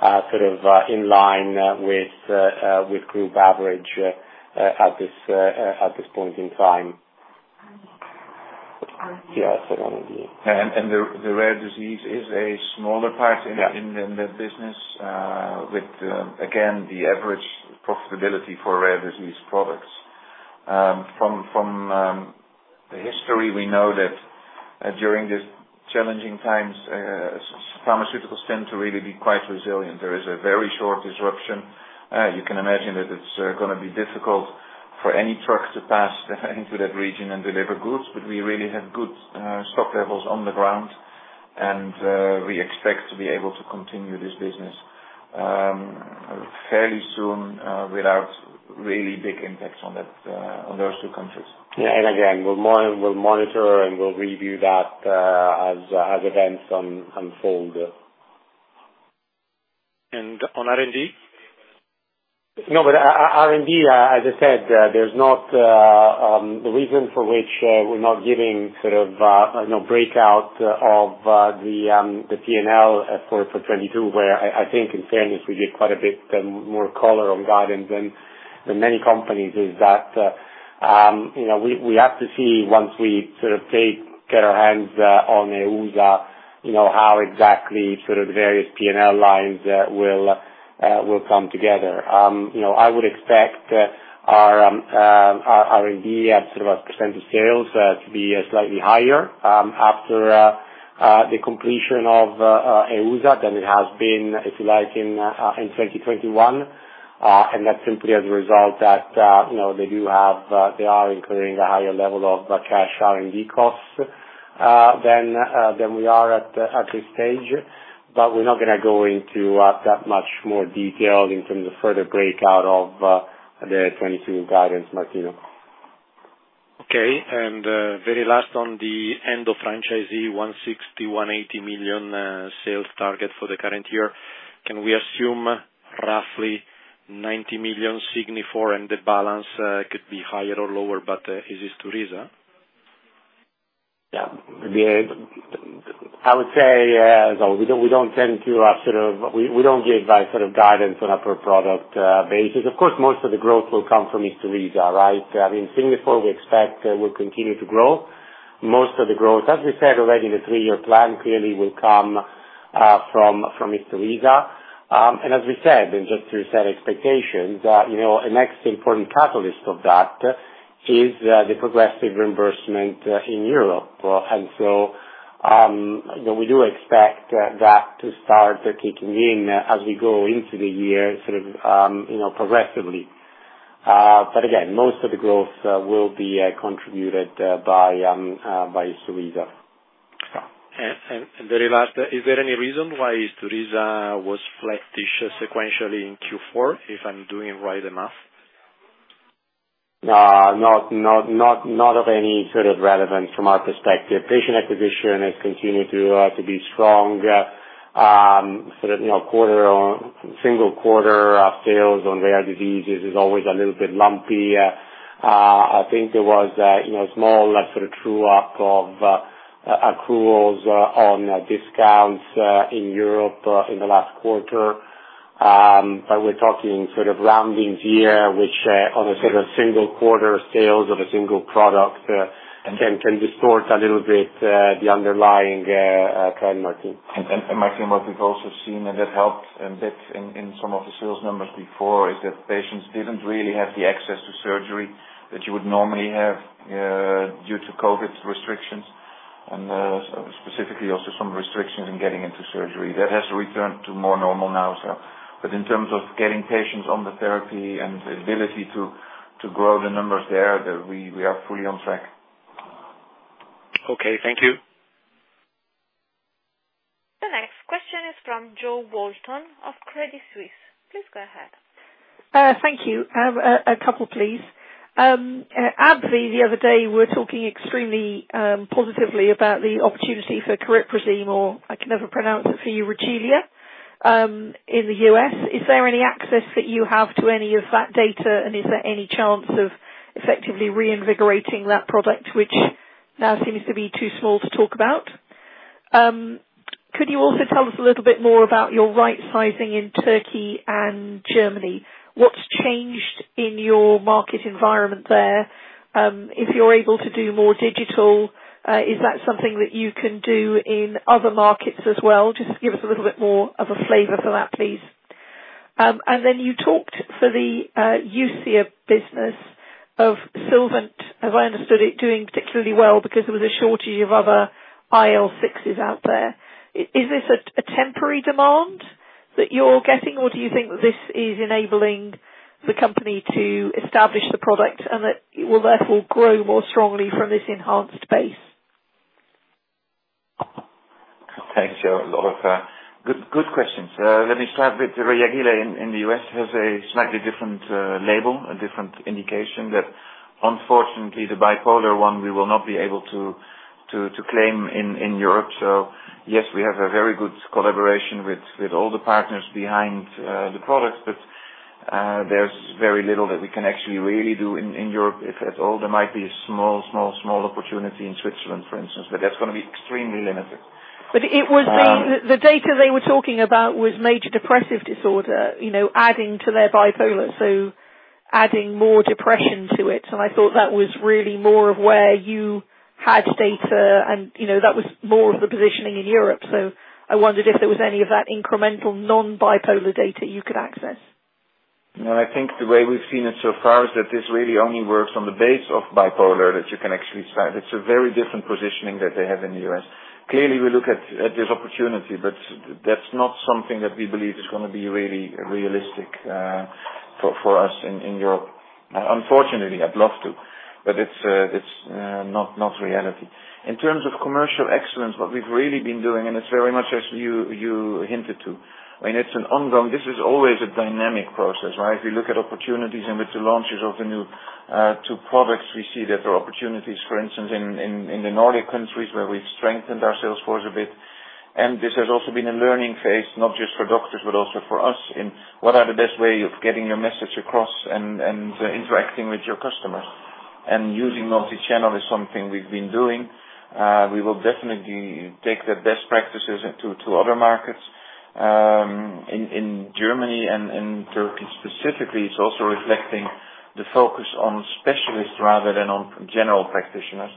sort of in line with group average at this point in time. Yeah. Let me- The rare disease is a smaller part. Yeah. In the business with again the average profitability for rare disease products. From the history we know that during these challenging times specialty pharmaceuticals tend to really be quite resilient. There is a very short disruption. You can imagine that it's gonna be difficult for any truck to pass into that region and deliver goods. We really have good stock levels on the ground, and we expect to be able to continue this business fairly soon without really big impacts on those two countries. Yeah. We'll monitor and we'll review that as events unfold. On R&D? No, but R&D, as I said, the reason for which we're not giving sort of, you know, breakout of the P&L for 2022, where I think in fairness, we give quite a bit more color on guidance than many companies is that, you know, we have to see once we sort of get our hands on EUSA, you know, how exactly sort of various P&L lines will come together. You know, I would expect our R&D at sort of a percentage of sales to be slightly higher after the completion of EUSA than it has been, if you like, in 2021. That's simply as a result that, you know, they are incurring a higher level of cash R&D costs than we are at this stage. We're not gonna go into that much more detail in terms of further breakout of the 2022 guidance, Martino. Okay. Very last on the Endo franchise 160 million-180 million sales target for the current year. Can we assume roughly 90 million Signifor and the balance could be higher or lower, but is it Isturisa? Yeah. I would say, we don't tend to give, like, sort of guidance on a per product basis. Of course, most of the growth will come from Isturisa, right? I mean, Signifor we expect will continue to grow. Most of the growth, as we said already, the three-year plan clearly will come from Isturisa. As we said, just to reset expectations, you know, the next important catalyst of that is the progressive reimbursement in Europe. You know, we do expect that to start kicking in as we go into the year, sort of, progressively. Again, most of the growth will be contributed by Isturisa. Very last. Is there any reason why Isturisa was flat sequentially in Q4, if I'm reading right enough? No, not of any sort of relevance from our perspective. Patient acquisition has continued to be strong. Sort of, you know, single quarter sales on rare diseases is always a little bit lumpy. I think there was, you know, a small sort of true up of accruals on discounts in Europe in the last quarter. We're talking sort of roundings here, which on a sort of single quarter sales of a single product can distort a little bit the underlying trend, Martino. Marty, what we've also seen, and that helped a bit in some of the sales numbers before, is that patients didn't really have the access to surgery that you would normally have due to COVID restrictions and specifically also some restrictions in getting into surgery. That has returned to more normal now. In terms of getting patients on the therapy and the ability to grow the numbers there, we are fully on track. Okay, thank you. The next question is from Jo Walton of Credit Suisse. Please go ahead. Thank you. A couple please. AbbVie the other day were talking extremely positively about the opportunity for cariprazine or I can never pronounce it for you, Reagila, in the U.S. Is there any access that you have to any of that data? Is there any chance of effectively reinvigorating that product which now seems to be too small to talk about? Could you also tell us a little bit more about your right-sizing in Turkey and Germany? What's changed in your market environment there? If you're able to do more digital, is that something that you can do in other markets as well? Just give us a little bit more of a flavor for that, please. You talked for the EUSA business of Sylvant, as I understood it, doing particularly well because there was a shortage of other IL-6s out there. Is this a temporary demand that you're getting, or do you think this is enabling the company to establish the product and that it will therefore grow more strongly from this enhanced base? Thanks, Jo. A lot of good questions. Let me start with Reagila in the U.S. has a slightly different label, a different indication that unfortunately the bipolar I we will not be able to claim in Europe. Yes, we have a very good collaboration with all the partners behind the product, but there's very little that we can actually really do in Europe, if at all. There might be a small opportunity in Switzerland, for instance, but that's gonna be extremely limited. But it was the- Um- The data they were talking about was major depressive disorder, you know, adding to their bipolar, so adding more depression to it. I thought that was really more of where you had data and, you know, that was more of the positioning in Europe. I wondered if there was any of that incremental non-bipolar data you could access. No, I think the way we've seen it so far is that this really only works on the basis of bipolar that you can actually sell. It's a very different positioning that they have in the U.S. Clearly, we look at this opportunity, but that's not something that we believe is gonna be really realistic for us in Europe. Unfortunately, I'd love to, but it's not reality. In terms of commercial excellence, what we've really been doing, and it's very much as you hinted to, I mean, it's an ongoing process. This is always a dynamic process, right? If you look at opportunities and with the launches of the new two products, we see that there are opportunities, for instance, in the Nordic countries where we've strengthened our sales force a bit. This has also been a learning phase, not just for doctors, but also for us, in what are the best way of getting your message across and interacting with your customers. Using multi-channel is something we've been doing. We will definitely take the best practices to other markets. In Germany and in Turkey specifically, it's also reflecting the focus on specialists rather than on general practitioners,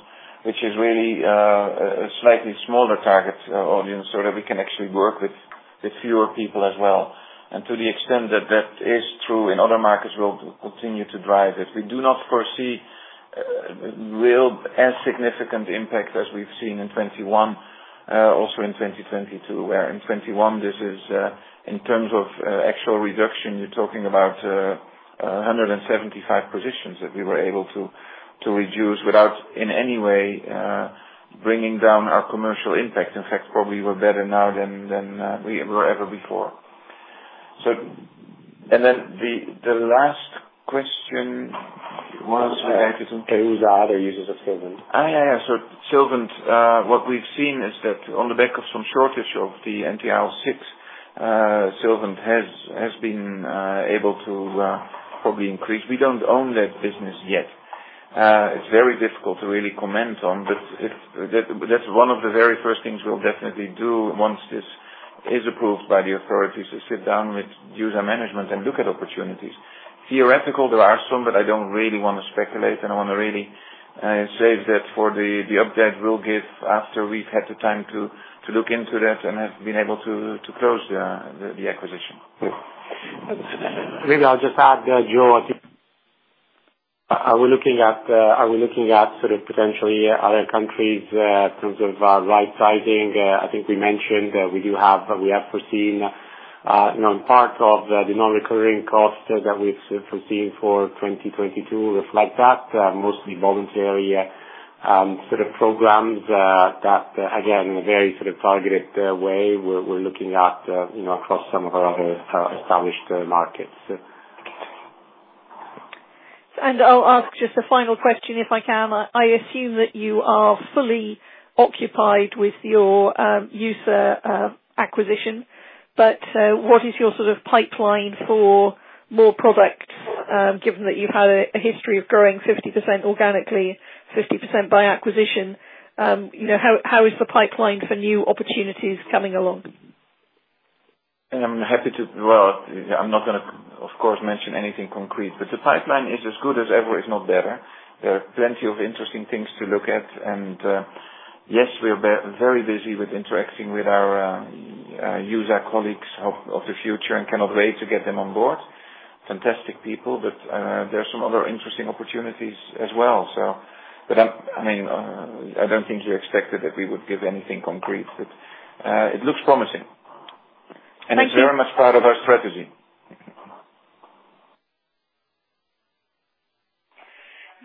which is really a slightly smaller target audience, so that we can actually work with fewer people as well. To the extent that that is true in other markets, we'll continue to drive it. We do not foresee as significant impact as we've seen in 2021, also in 2022. Whereas in 2021, this is, in terms of actual reduction, you're talking about a 175 positions that we were able to reduce without, in any way, bringing down our commercial impact. In fact, probably we're better now than we were ever before. The last question was related to. Okay. Who's the other users of Sylvant? What we've seen is that on the back of some shortage of the anti-IL-6, Sylvant has been able to probably increase. We don't own that business yet. It's very difficult to really comment on, but that's one of the very first things we'll definitely do once this is approved by the authorities, is sit down with EUSA management and look at opportunities. Theoretically, there are some, but I don't really wanna speculate, and I wanna really save that for the update we'll give after we've had the time to look into that and have been able to close the acquisition. Maybe I'll just add, Jo, I think. Are we looking at sort of potentially other countries in terms of right sizing? I think we mentioned we have foreseen you know part of the non-recurring costs that we've foreseen for 2022 reflect that mostly voluntary sort of programs that again in a very sort of targeted way we're looking at you know across some of our other established markets. I'll ask just a final question if I can. I assume that you are fully occupied with your EUSA acquisition, but what is your sort of pipeline for more product, given that you've had a history of growing 50% organically, 50% by acquisition? You know, how is the pipeline for new opportunities coming along? Well, I'm not gonna, of course, mention anything concrete, but the pipeline is as good as ever, if not better. There are plenty of interesting things to look at and, yes, we are very busy with interacting with our future colleagues and cannot wait to get them on board. Fantastic people, but there are some other interesting opportunities as well. I mean, I don't think you expected that we would give anything concrete, but it looks promising. Thank you. It's very much part of our strategy.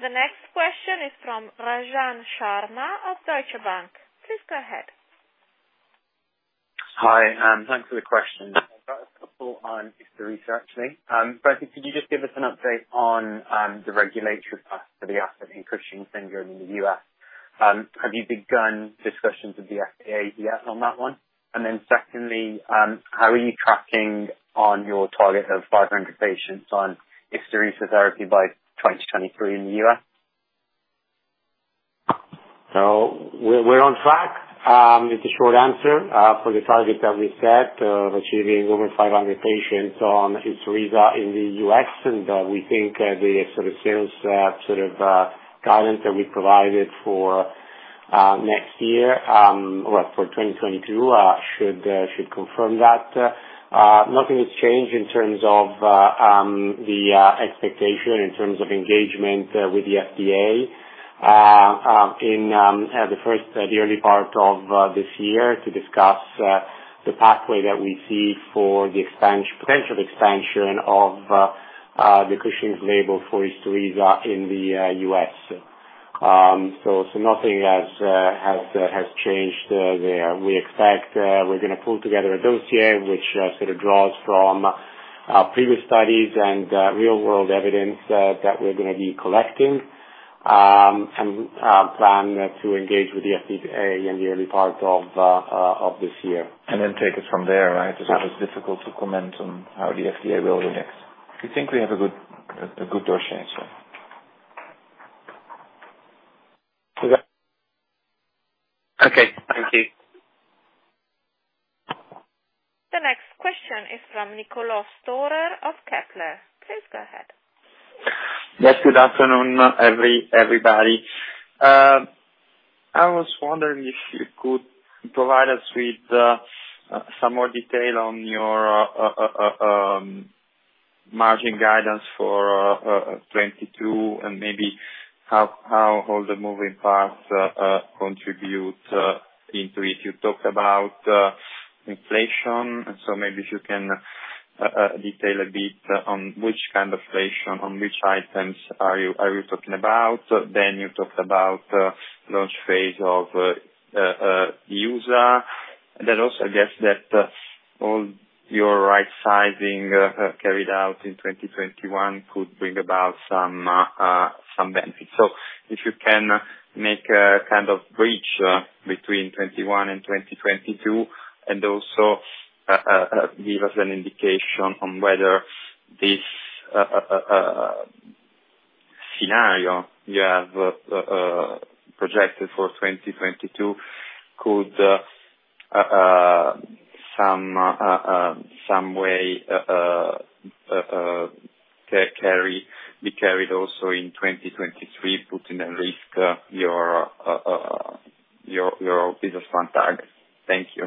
The next question is from Rajan Sharma of Deutsche Bank. Please go ahead. Hi, thanks for the question. I've got a couple on just the research thing. Rob Koremans, could you just give us an update on the regulatory path for the asset in Cushing's syndrome in the U.S.? Have you begun discussions with the FDA yet on that one? And then secondly, how are you tracking on your target of 500 patients on Isturisa therapy by 2023 in the U.S.? We're on track, is the short answer, for the target that we set of achieving over 500 patients on Isturisa in the U.S. We think the sort of sales sort of guidance that we provided for next year or for 2022 should confirm that. Nothing has changed in terms of the expectation in terms of engagement with the FDA in the early part of this year to discuss the pathway that we see for the potential expansion of the Cushing's label for Isturisa in the U.S. So nothing has changed there. We expect we're gonna pull together a dossier which sort of draws from previous studies and real world evidence that we're gonna be collecting and plan to engage with the FDA in the early part of this year. Take it from there, right? Because it's difficult to comment on how the FDA will react. We think we have a good dossier, so. Okay. Thank you. The next question is from Niccolò Storer of Kepler. Please go ahead. Yes, good afternoon, everybody. I was wondering if you could provide us with some more detail on your margin guidance for 2022 and maybe how all the moving parts contribute to it. You talked about inflation, so maybe if you can detail a bit on which kind of inflation, on which items are you talking about. You talked about launch phase of EUSA. That also I guess all your right sizing carried out in 2021 could bring about some benefits. If you can make a kind of bridge between 2021 and 2022 and also give us an indication on whether this scenario you have projected for 2022 could some way be carried also in 2023, putting at risk your business plan target. Thank you.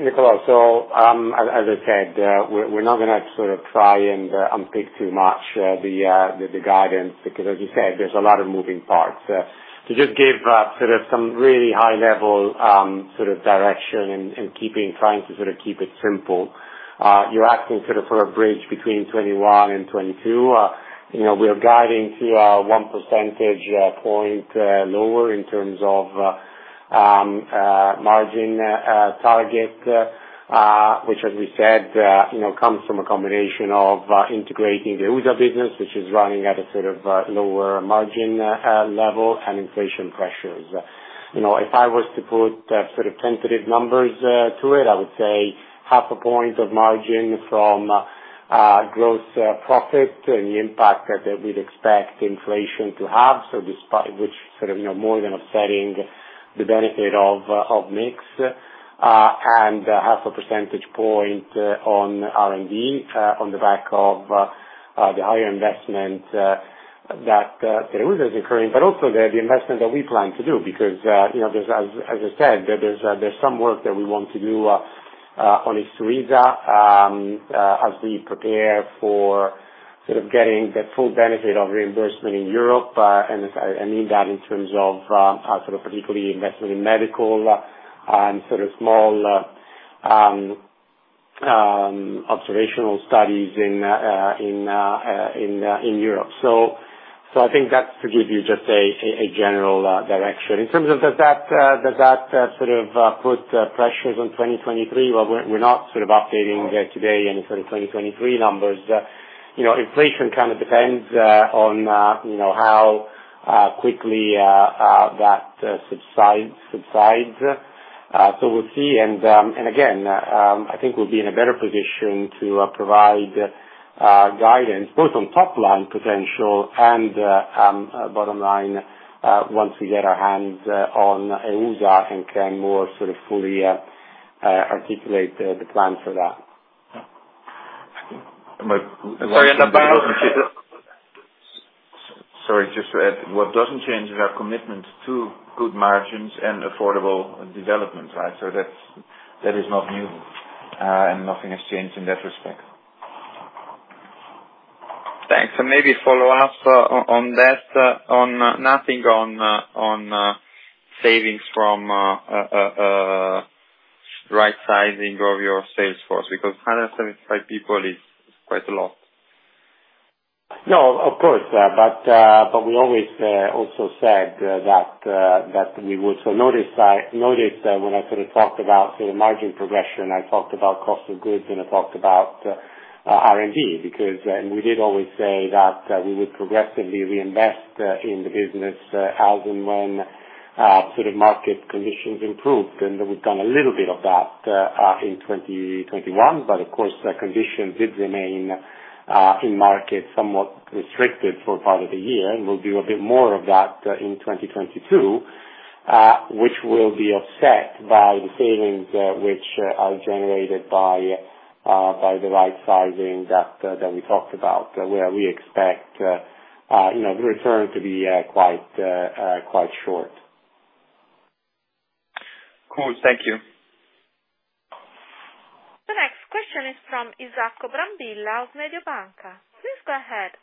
Niccolò, as I said, we're not gonna sort of try and unpick too much the guidance because as you said, there's a lot of moving parts. To just give sort of some really high level sort of direction and trying to sort of keep it simple. You're asking sort of for a bridge between 2021 and 2022. You know, we're guiding to 1 percentage point lower in terms of margin target, which as we said, you know, comes from a combination of integrating the EUSA business which is running at a sort of lower margin level and inflation pressures. You know, if I was to put sort of tentative numbers to it, I would say half a point of margin from gross profit and the impact that we'd expect inflation to have. Despite which sort of, you know, more than offsetting the benefit of mix, and half a percentage point on R&D on the back of the higher investment that the EUSA is incurring. Also the investment that we plan to do because, you know, as I said, there's some work that we want to do on Isturisa, as we prepare for sort of getting the full benefit of reimbursement in Europe. If I mean that in terms of sort of particularly investing in medical and sort of small observational studies in Europe. I think that's to give you just a general direction. In terms of, does that sort of put pressures on 2023? Well, we're not sort of updating today any sort of 2023 numbers. You know, inflation kind of depends on you know how quickly that subsides. We'll see. Again, I think we'll be in a better position to provide guidance both on top line potential and bottom line once we get our hands on EUSA and can more sort of fully articulate the plan for that. But- Sorry, and about Sorry, just to add. What doesn't change is our commitment to good margins and affordable development, right? That is not new, and nothing has changed in that respect. Thanks. Maybe a follow-up on that. On no mention of savings from right sizing of your sales force, because 175 people is quite a lot. No, of course. We always also said that we would notice when I sort of talked about the margin progression, I talked about cost of goods and I talked about R&D because, and we did always say that we would progressively reinvest in the business as and when sort of market conditions improved. We've done a little bit of that in 2021. Of course, conditions did remain in market somewhat restricted for part of the year. We'll do a bit more of that in 2022, which will be offset by the savings, which are generated by the right sizing that we talked about, where we expect, you know, the return to be quite short. Cool. Thank you. The next question is from Isacco Brambilla of Mediobanca. Please go ahead.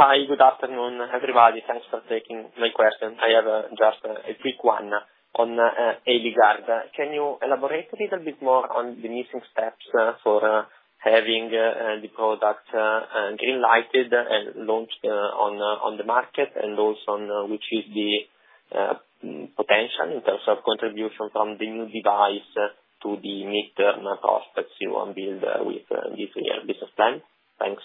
Hi. Good afternoon, everybody. Thanks for taking my question. I have just a quick one on Eligard. Can you elaborate a little bit more on the missing steps for having the product green-lighted and launched on the market and also on which is the potential in terms of contribution from the new device to the midterm prospects you unveil with this year business plan? Thanks.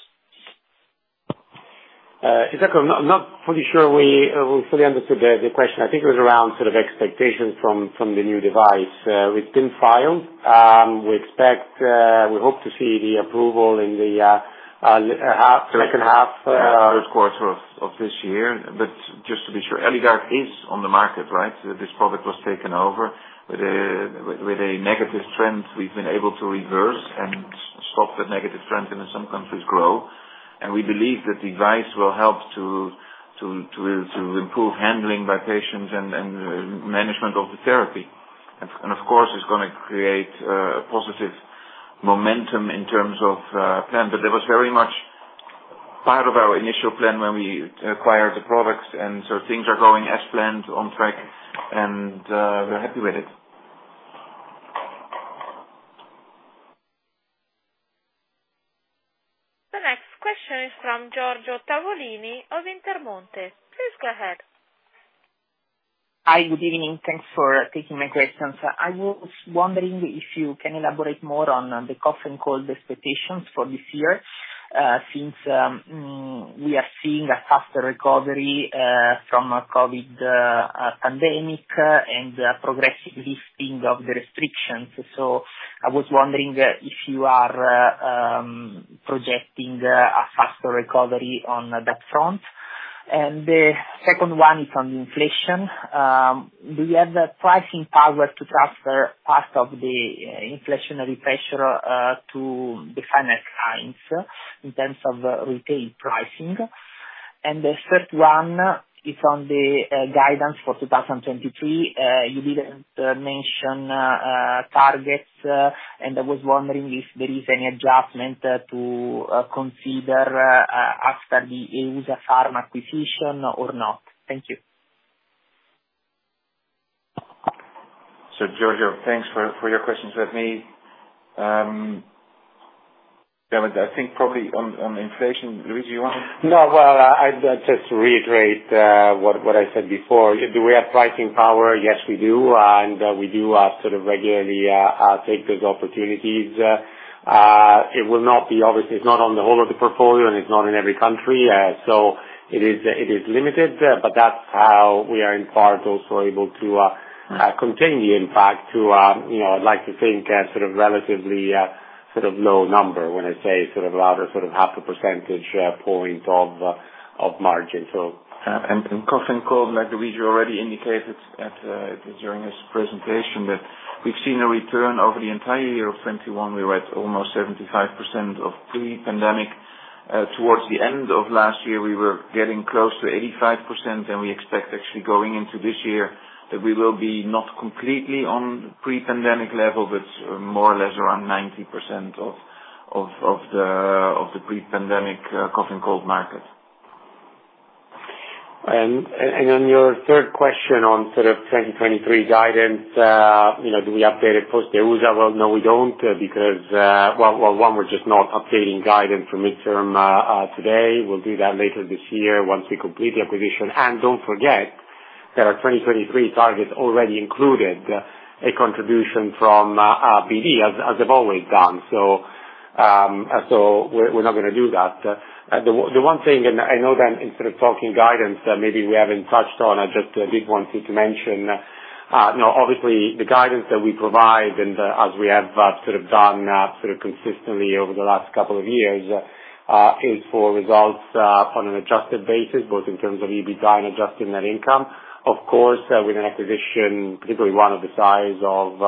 Isacco, I'm not fully sure we fully understood the question. I think it was around sort of expectations from the new device. We've been filed. We expect, we hope to see the approval in the second half. First quarter of this year. Just to be sure, Eligard is on the market, right? This product was taken over with a negative trend we've been able to reverse and stop the negative trend and in some countries grow. We believe the device will help to improve handling by patients and management of the therapy. Of course, it's gonna create a positive momentum in terms of plan. That was very much part of our initial plan when we acquired the products and so things are going as planned on track and we're happy with it. The next question is from Giorgio Tavolini of Intermonte. Please go ahead. Hi. Good evening. Thanks for taking my questions. I was wondering if you can elaborate more on the cough and cold expectations for this year, since we are seeing a faster recovery from a COVID pandemic and a progressive lifting of the restrictions. I was wondering if you are projecting a faster recovery on that front. The second one is on inflation. Do you have the pricing power to transfer part of the inflationary pressure to the final clients in terms of retail pricing? The third one is on the guidance for 2023. You didn't mention targets, and I was wondering if there is any adjustment to consider after the EUSA Pharma acquisition or not. Thank you. Giorgio, thanks for your questions with me. Yeah, but I think probably on inflation, Luigi, you want to- No. Well, I'd just reiterate what I said before. Do we have pricing power? Yes, we do. We do sort of regularly take those opportunities. It's not on the whole of the portfolio, and it's not in every country. It is limited, but that's how we are in part also able to contain the impact to, you know, I'd like to think a sort of relatively sort of low number when I say sort of around a sort of half a percentage point of margin. So Cough and Cold, like Luigi already indicated during his presentation, that we've seen a return over the entire year of 2021. We're at almost 75% of pre-pandemic. Towards the end of last year, we were getting close to 85%, and we expect actually going into this year that we will be not completely on pre-pandemic level, but more or less around 90% of the pre-pandemic Cough and Cold market. On your third question on sort of 2023 guidance, you know, do we update it post-EUSA? Well, no, we don't because, well, one, we're just not updating guidance for mid-term today. We'll do that later this year once we complete the acquisition. Don't forget that our 2023 targets already included a contribution from BD as they've always done. We're not gonna do that. The one thing, and I know that in sort of talking guidance that maybe we haven't touched on, just a big one thing to mention. You know, obviously the guidance that we provide and as we have, sort of done, sort of consistently over the last couple of years, is for results, on an adjusted basis, both in terms of EBITDA and adjusted net income. Of course, with an acquisition, particularly one of the size of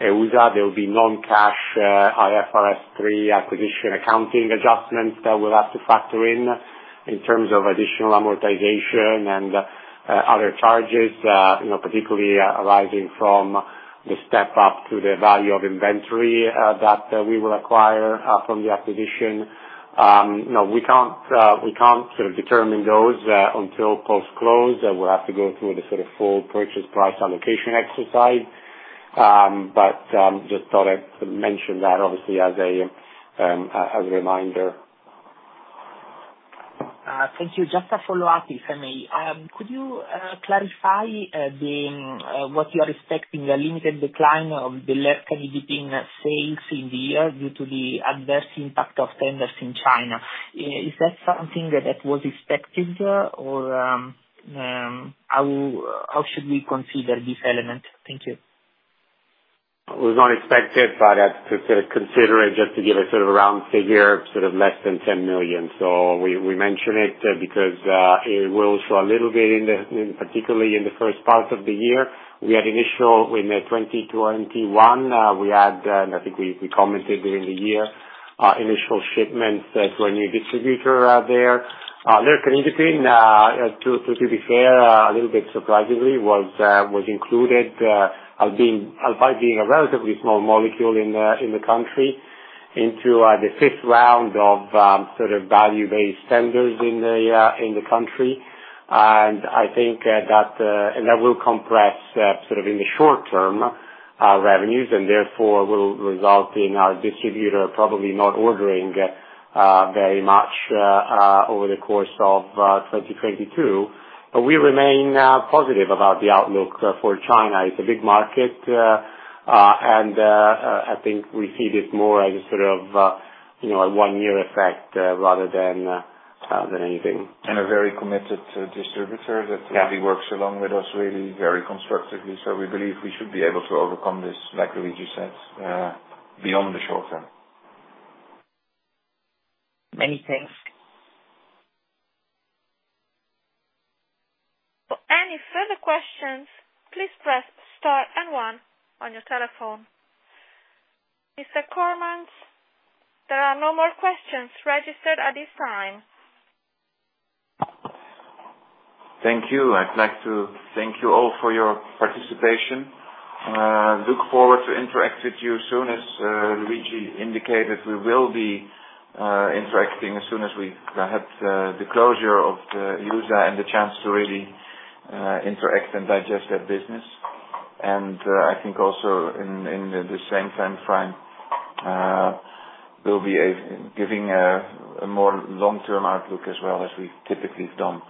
EUSA, there will be non-cash, IFRS 3 acquisition accounting adjustments that we'll have to factor in terms of additional amortization and, other charges, you know, particularly arising from the step up to the value of inventory, that we will acquire, from the acquisition. You know, we can't sort of determine those, until post-close. We'll have to go through the sort of full purchase price allocation exercise. Just thought I'd mention that obviously as a reminder. Thank you. Just a follow-up, if I may. Could you clarify what you are expecting a limited decline of the lercanidipine sales in the year due to the adverse impact of tenders in China? Is that something that was expected or how should we consider this element? Thank you. It was not expected, but I'd consider it just to give a sort of round figure, sort of less than 10 million. We mention it because it will show a little bit, particularly in the first part of the year. We had initial shipments in 2021, and I think we commented during the year, initial shipments to a new distributor out there. Lercanidipine, to be fair, a little bit surprisingly was included, albeit being a relatively small molecule in the country into the fifth round of sort of volume-based tenders in the country. I think that will compress sort of in the short term revenues and therefore will result in our distributor probably not ordering very much over the course of 2022. We remain positive about the outlook for China. It's a big market. I think we see this more as a sort of you know a one-year effect rather than anything. A very committed distributor. Yeah. That really works along with us really very constructively. We believe we should be able to overcome this, like Luigi said, beyond the short term. Many thanks. For any further questions, please press star and one on your telephone. Mr. Koremans, there are no more questions registered at this time. Thank you. I'd like to thank you all for your participation. I look forward to interact with you soon. As Luigi indicated, we will be interacting as soon as we have the closure of the EUSA and the chance to really interact and digest that business. I think also in the same timeframe, we'll be giving a more long-term outlook as well as we've typically done.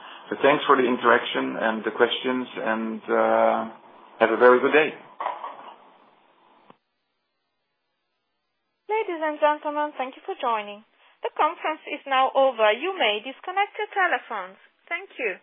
Thanks for the interaction and the questions, and have a very good day. Ladies and gentlemen, thank you for joining. The conference is now over. You may disconnect your telephones. Thank you.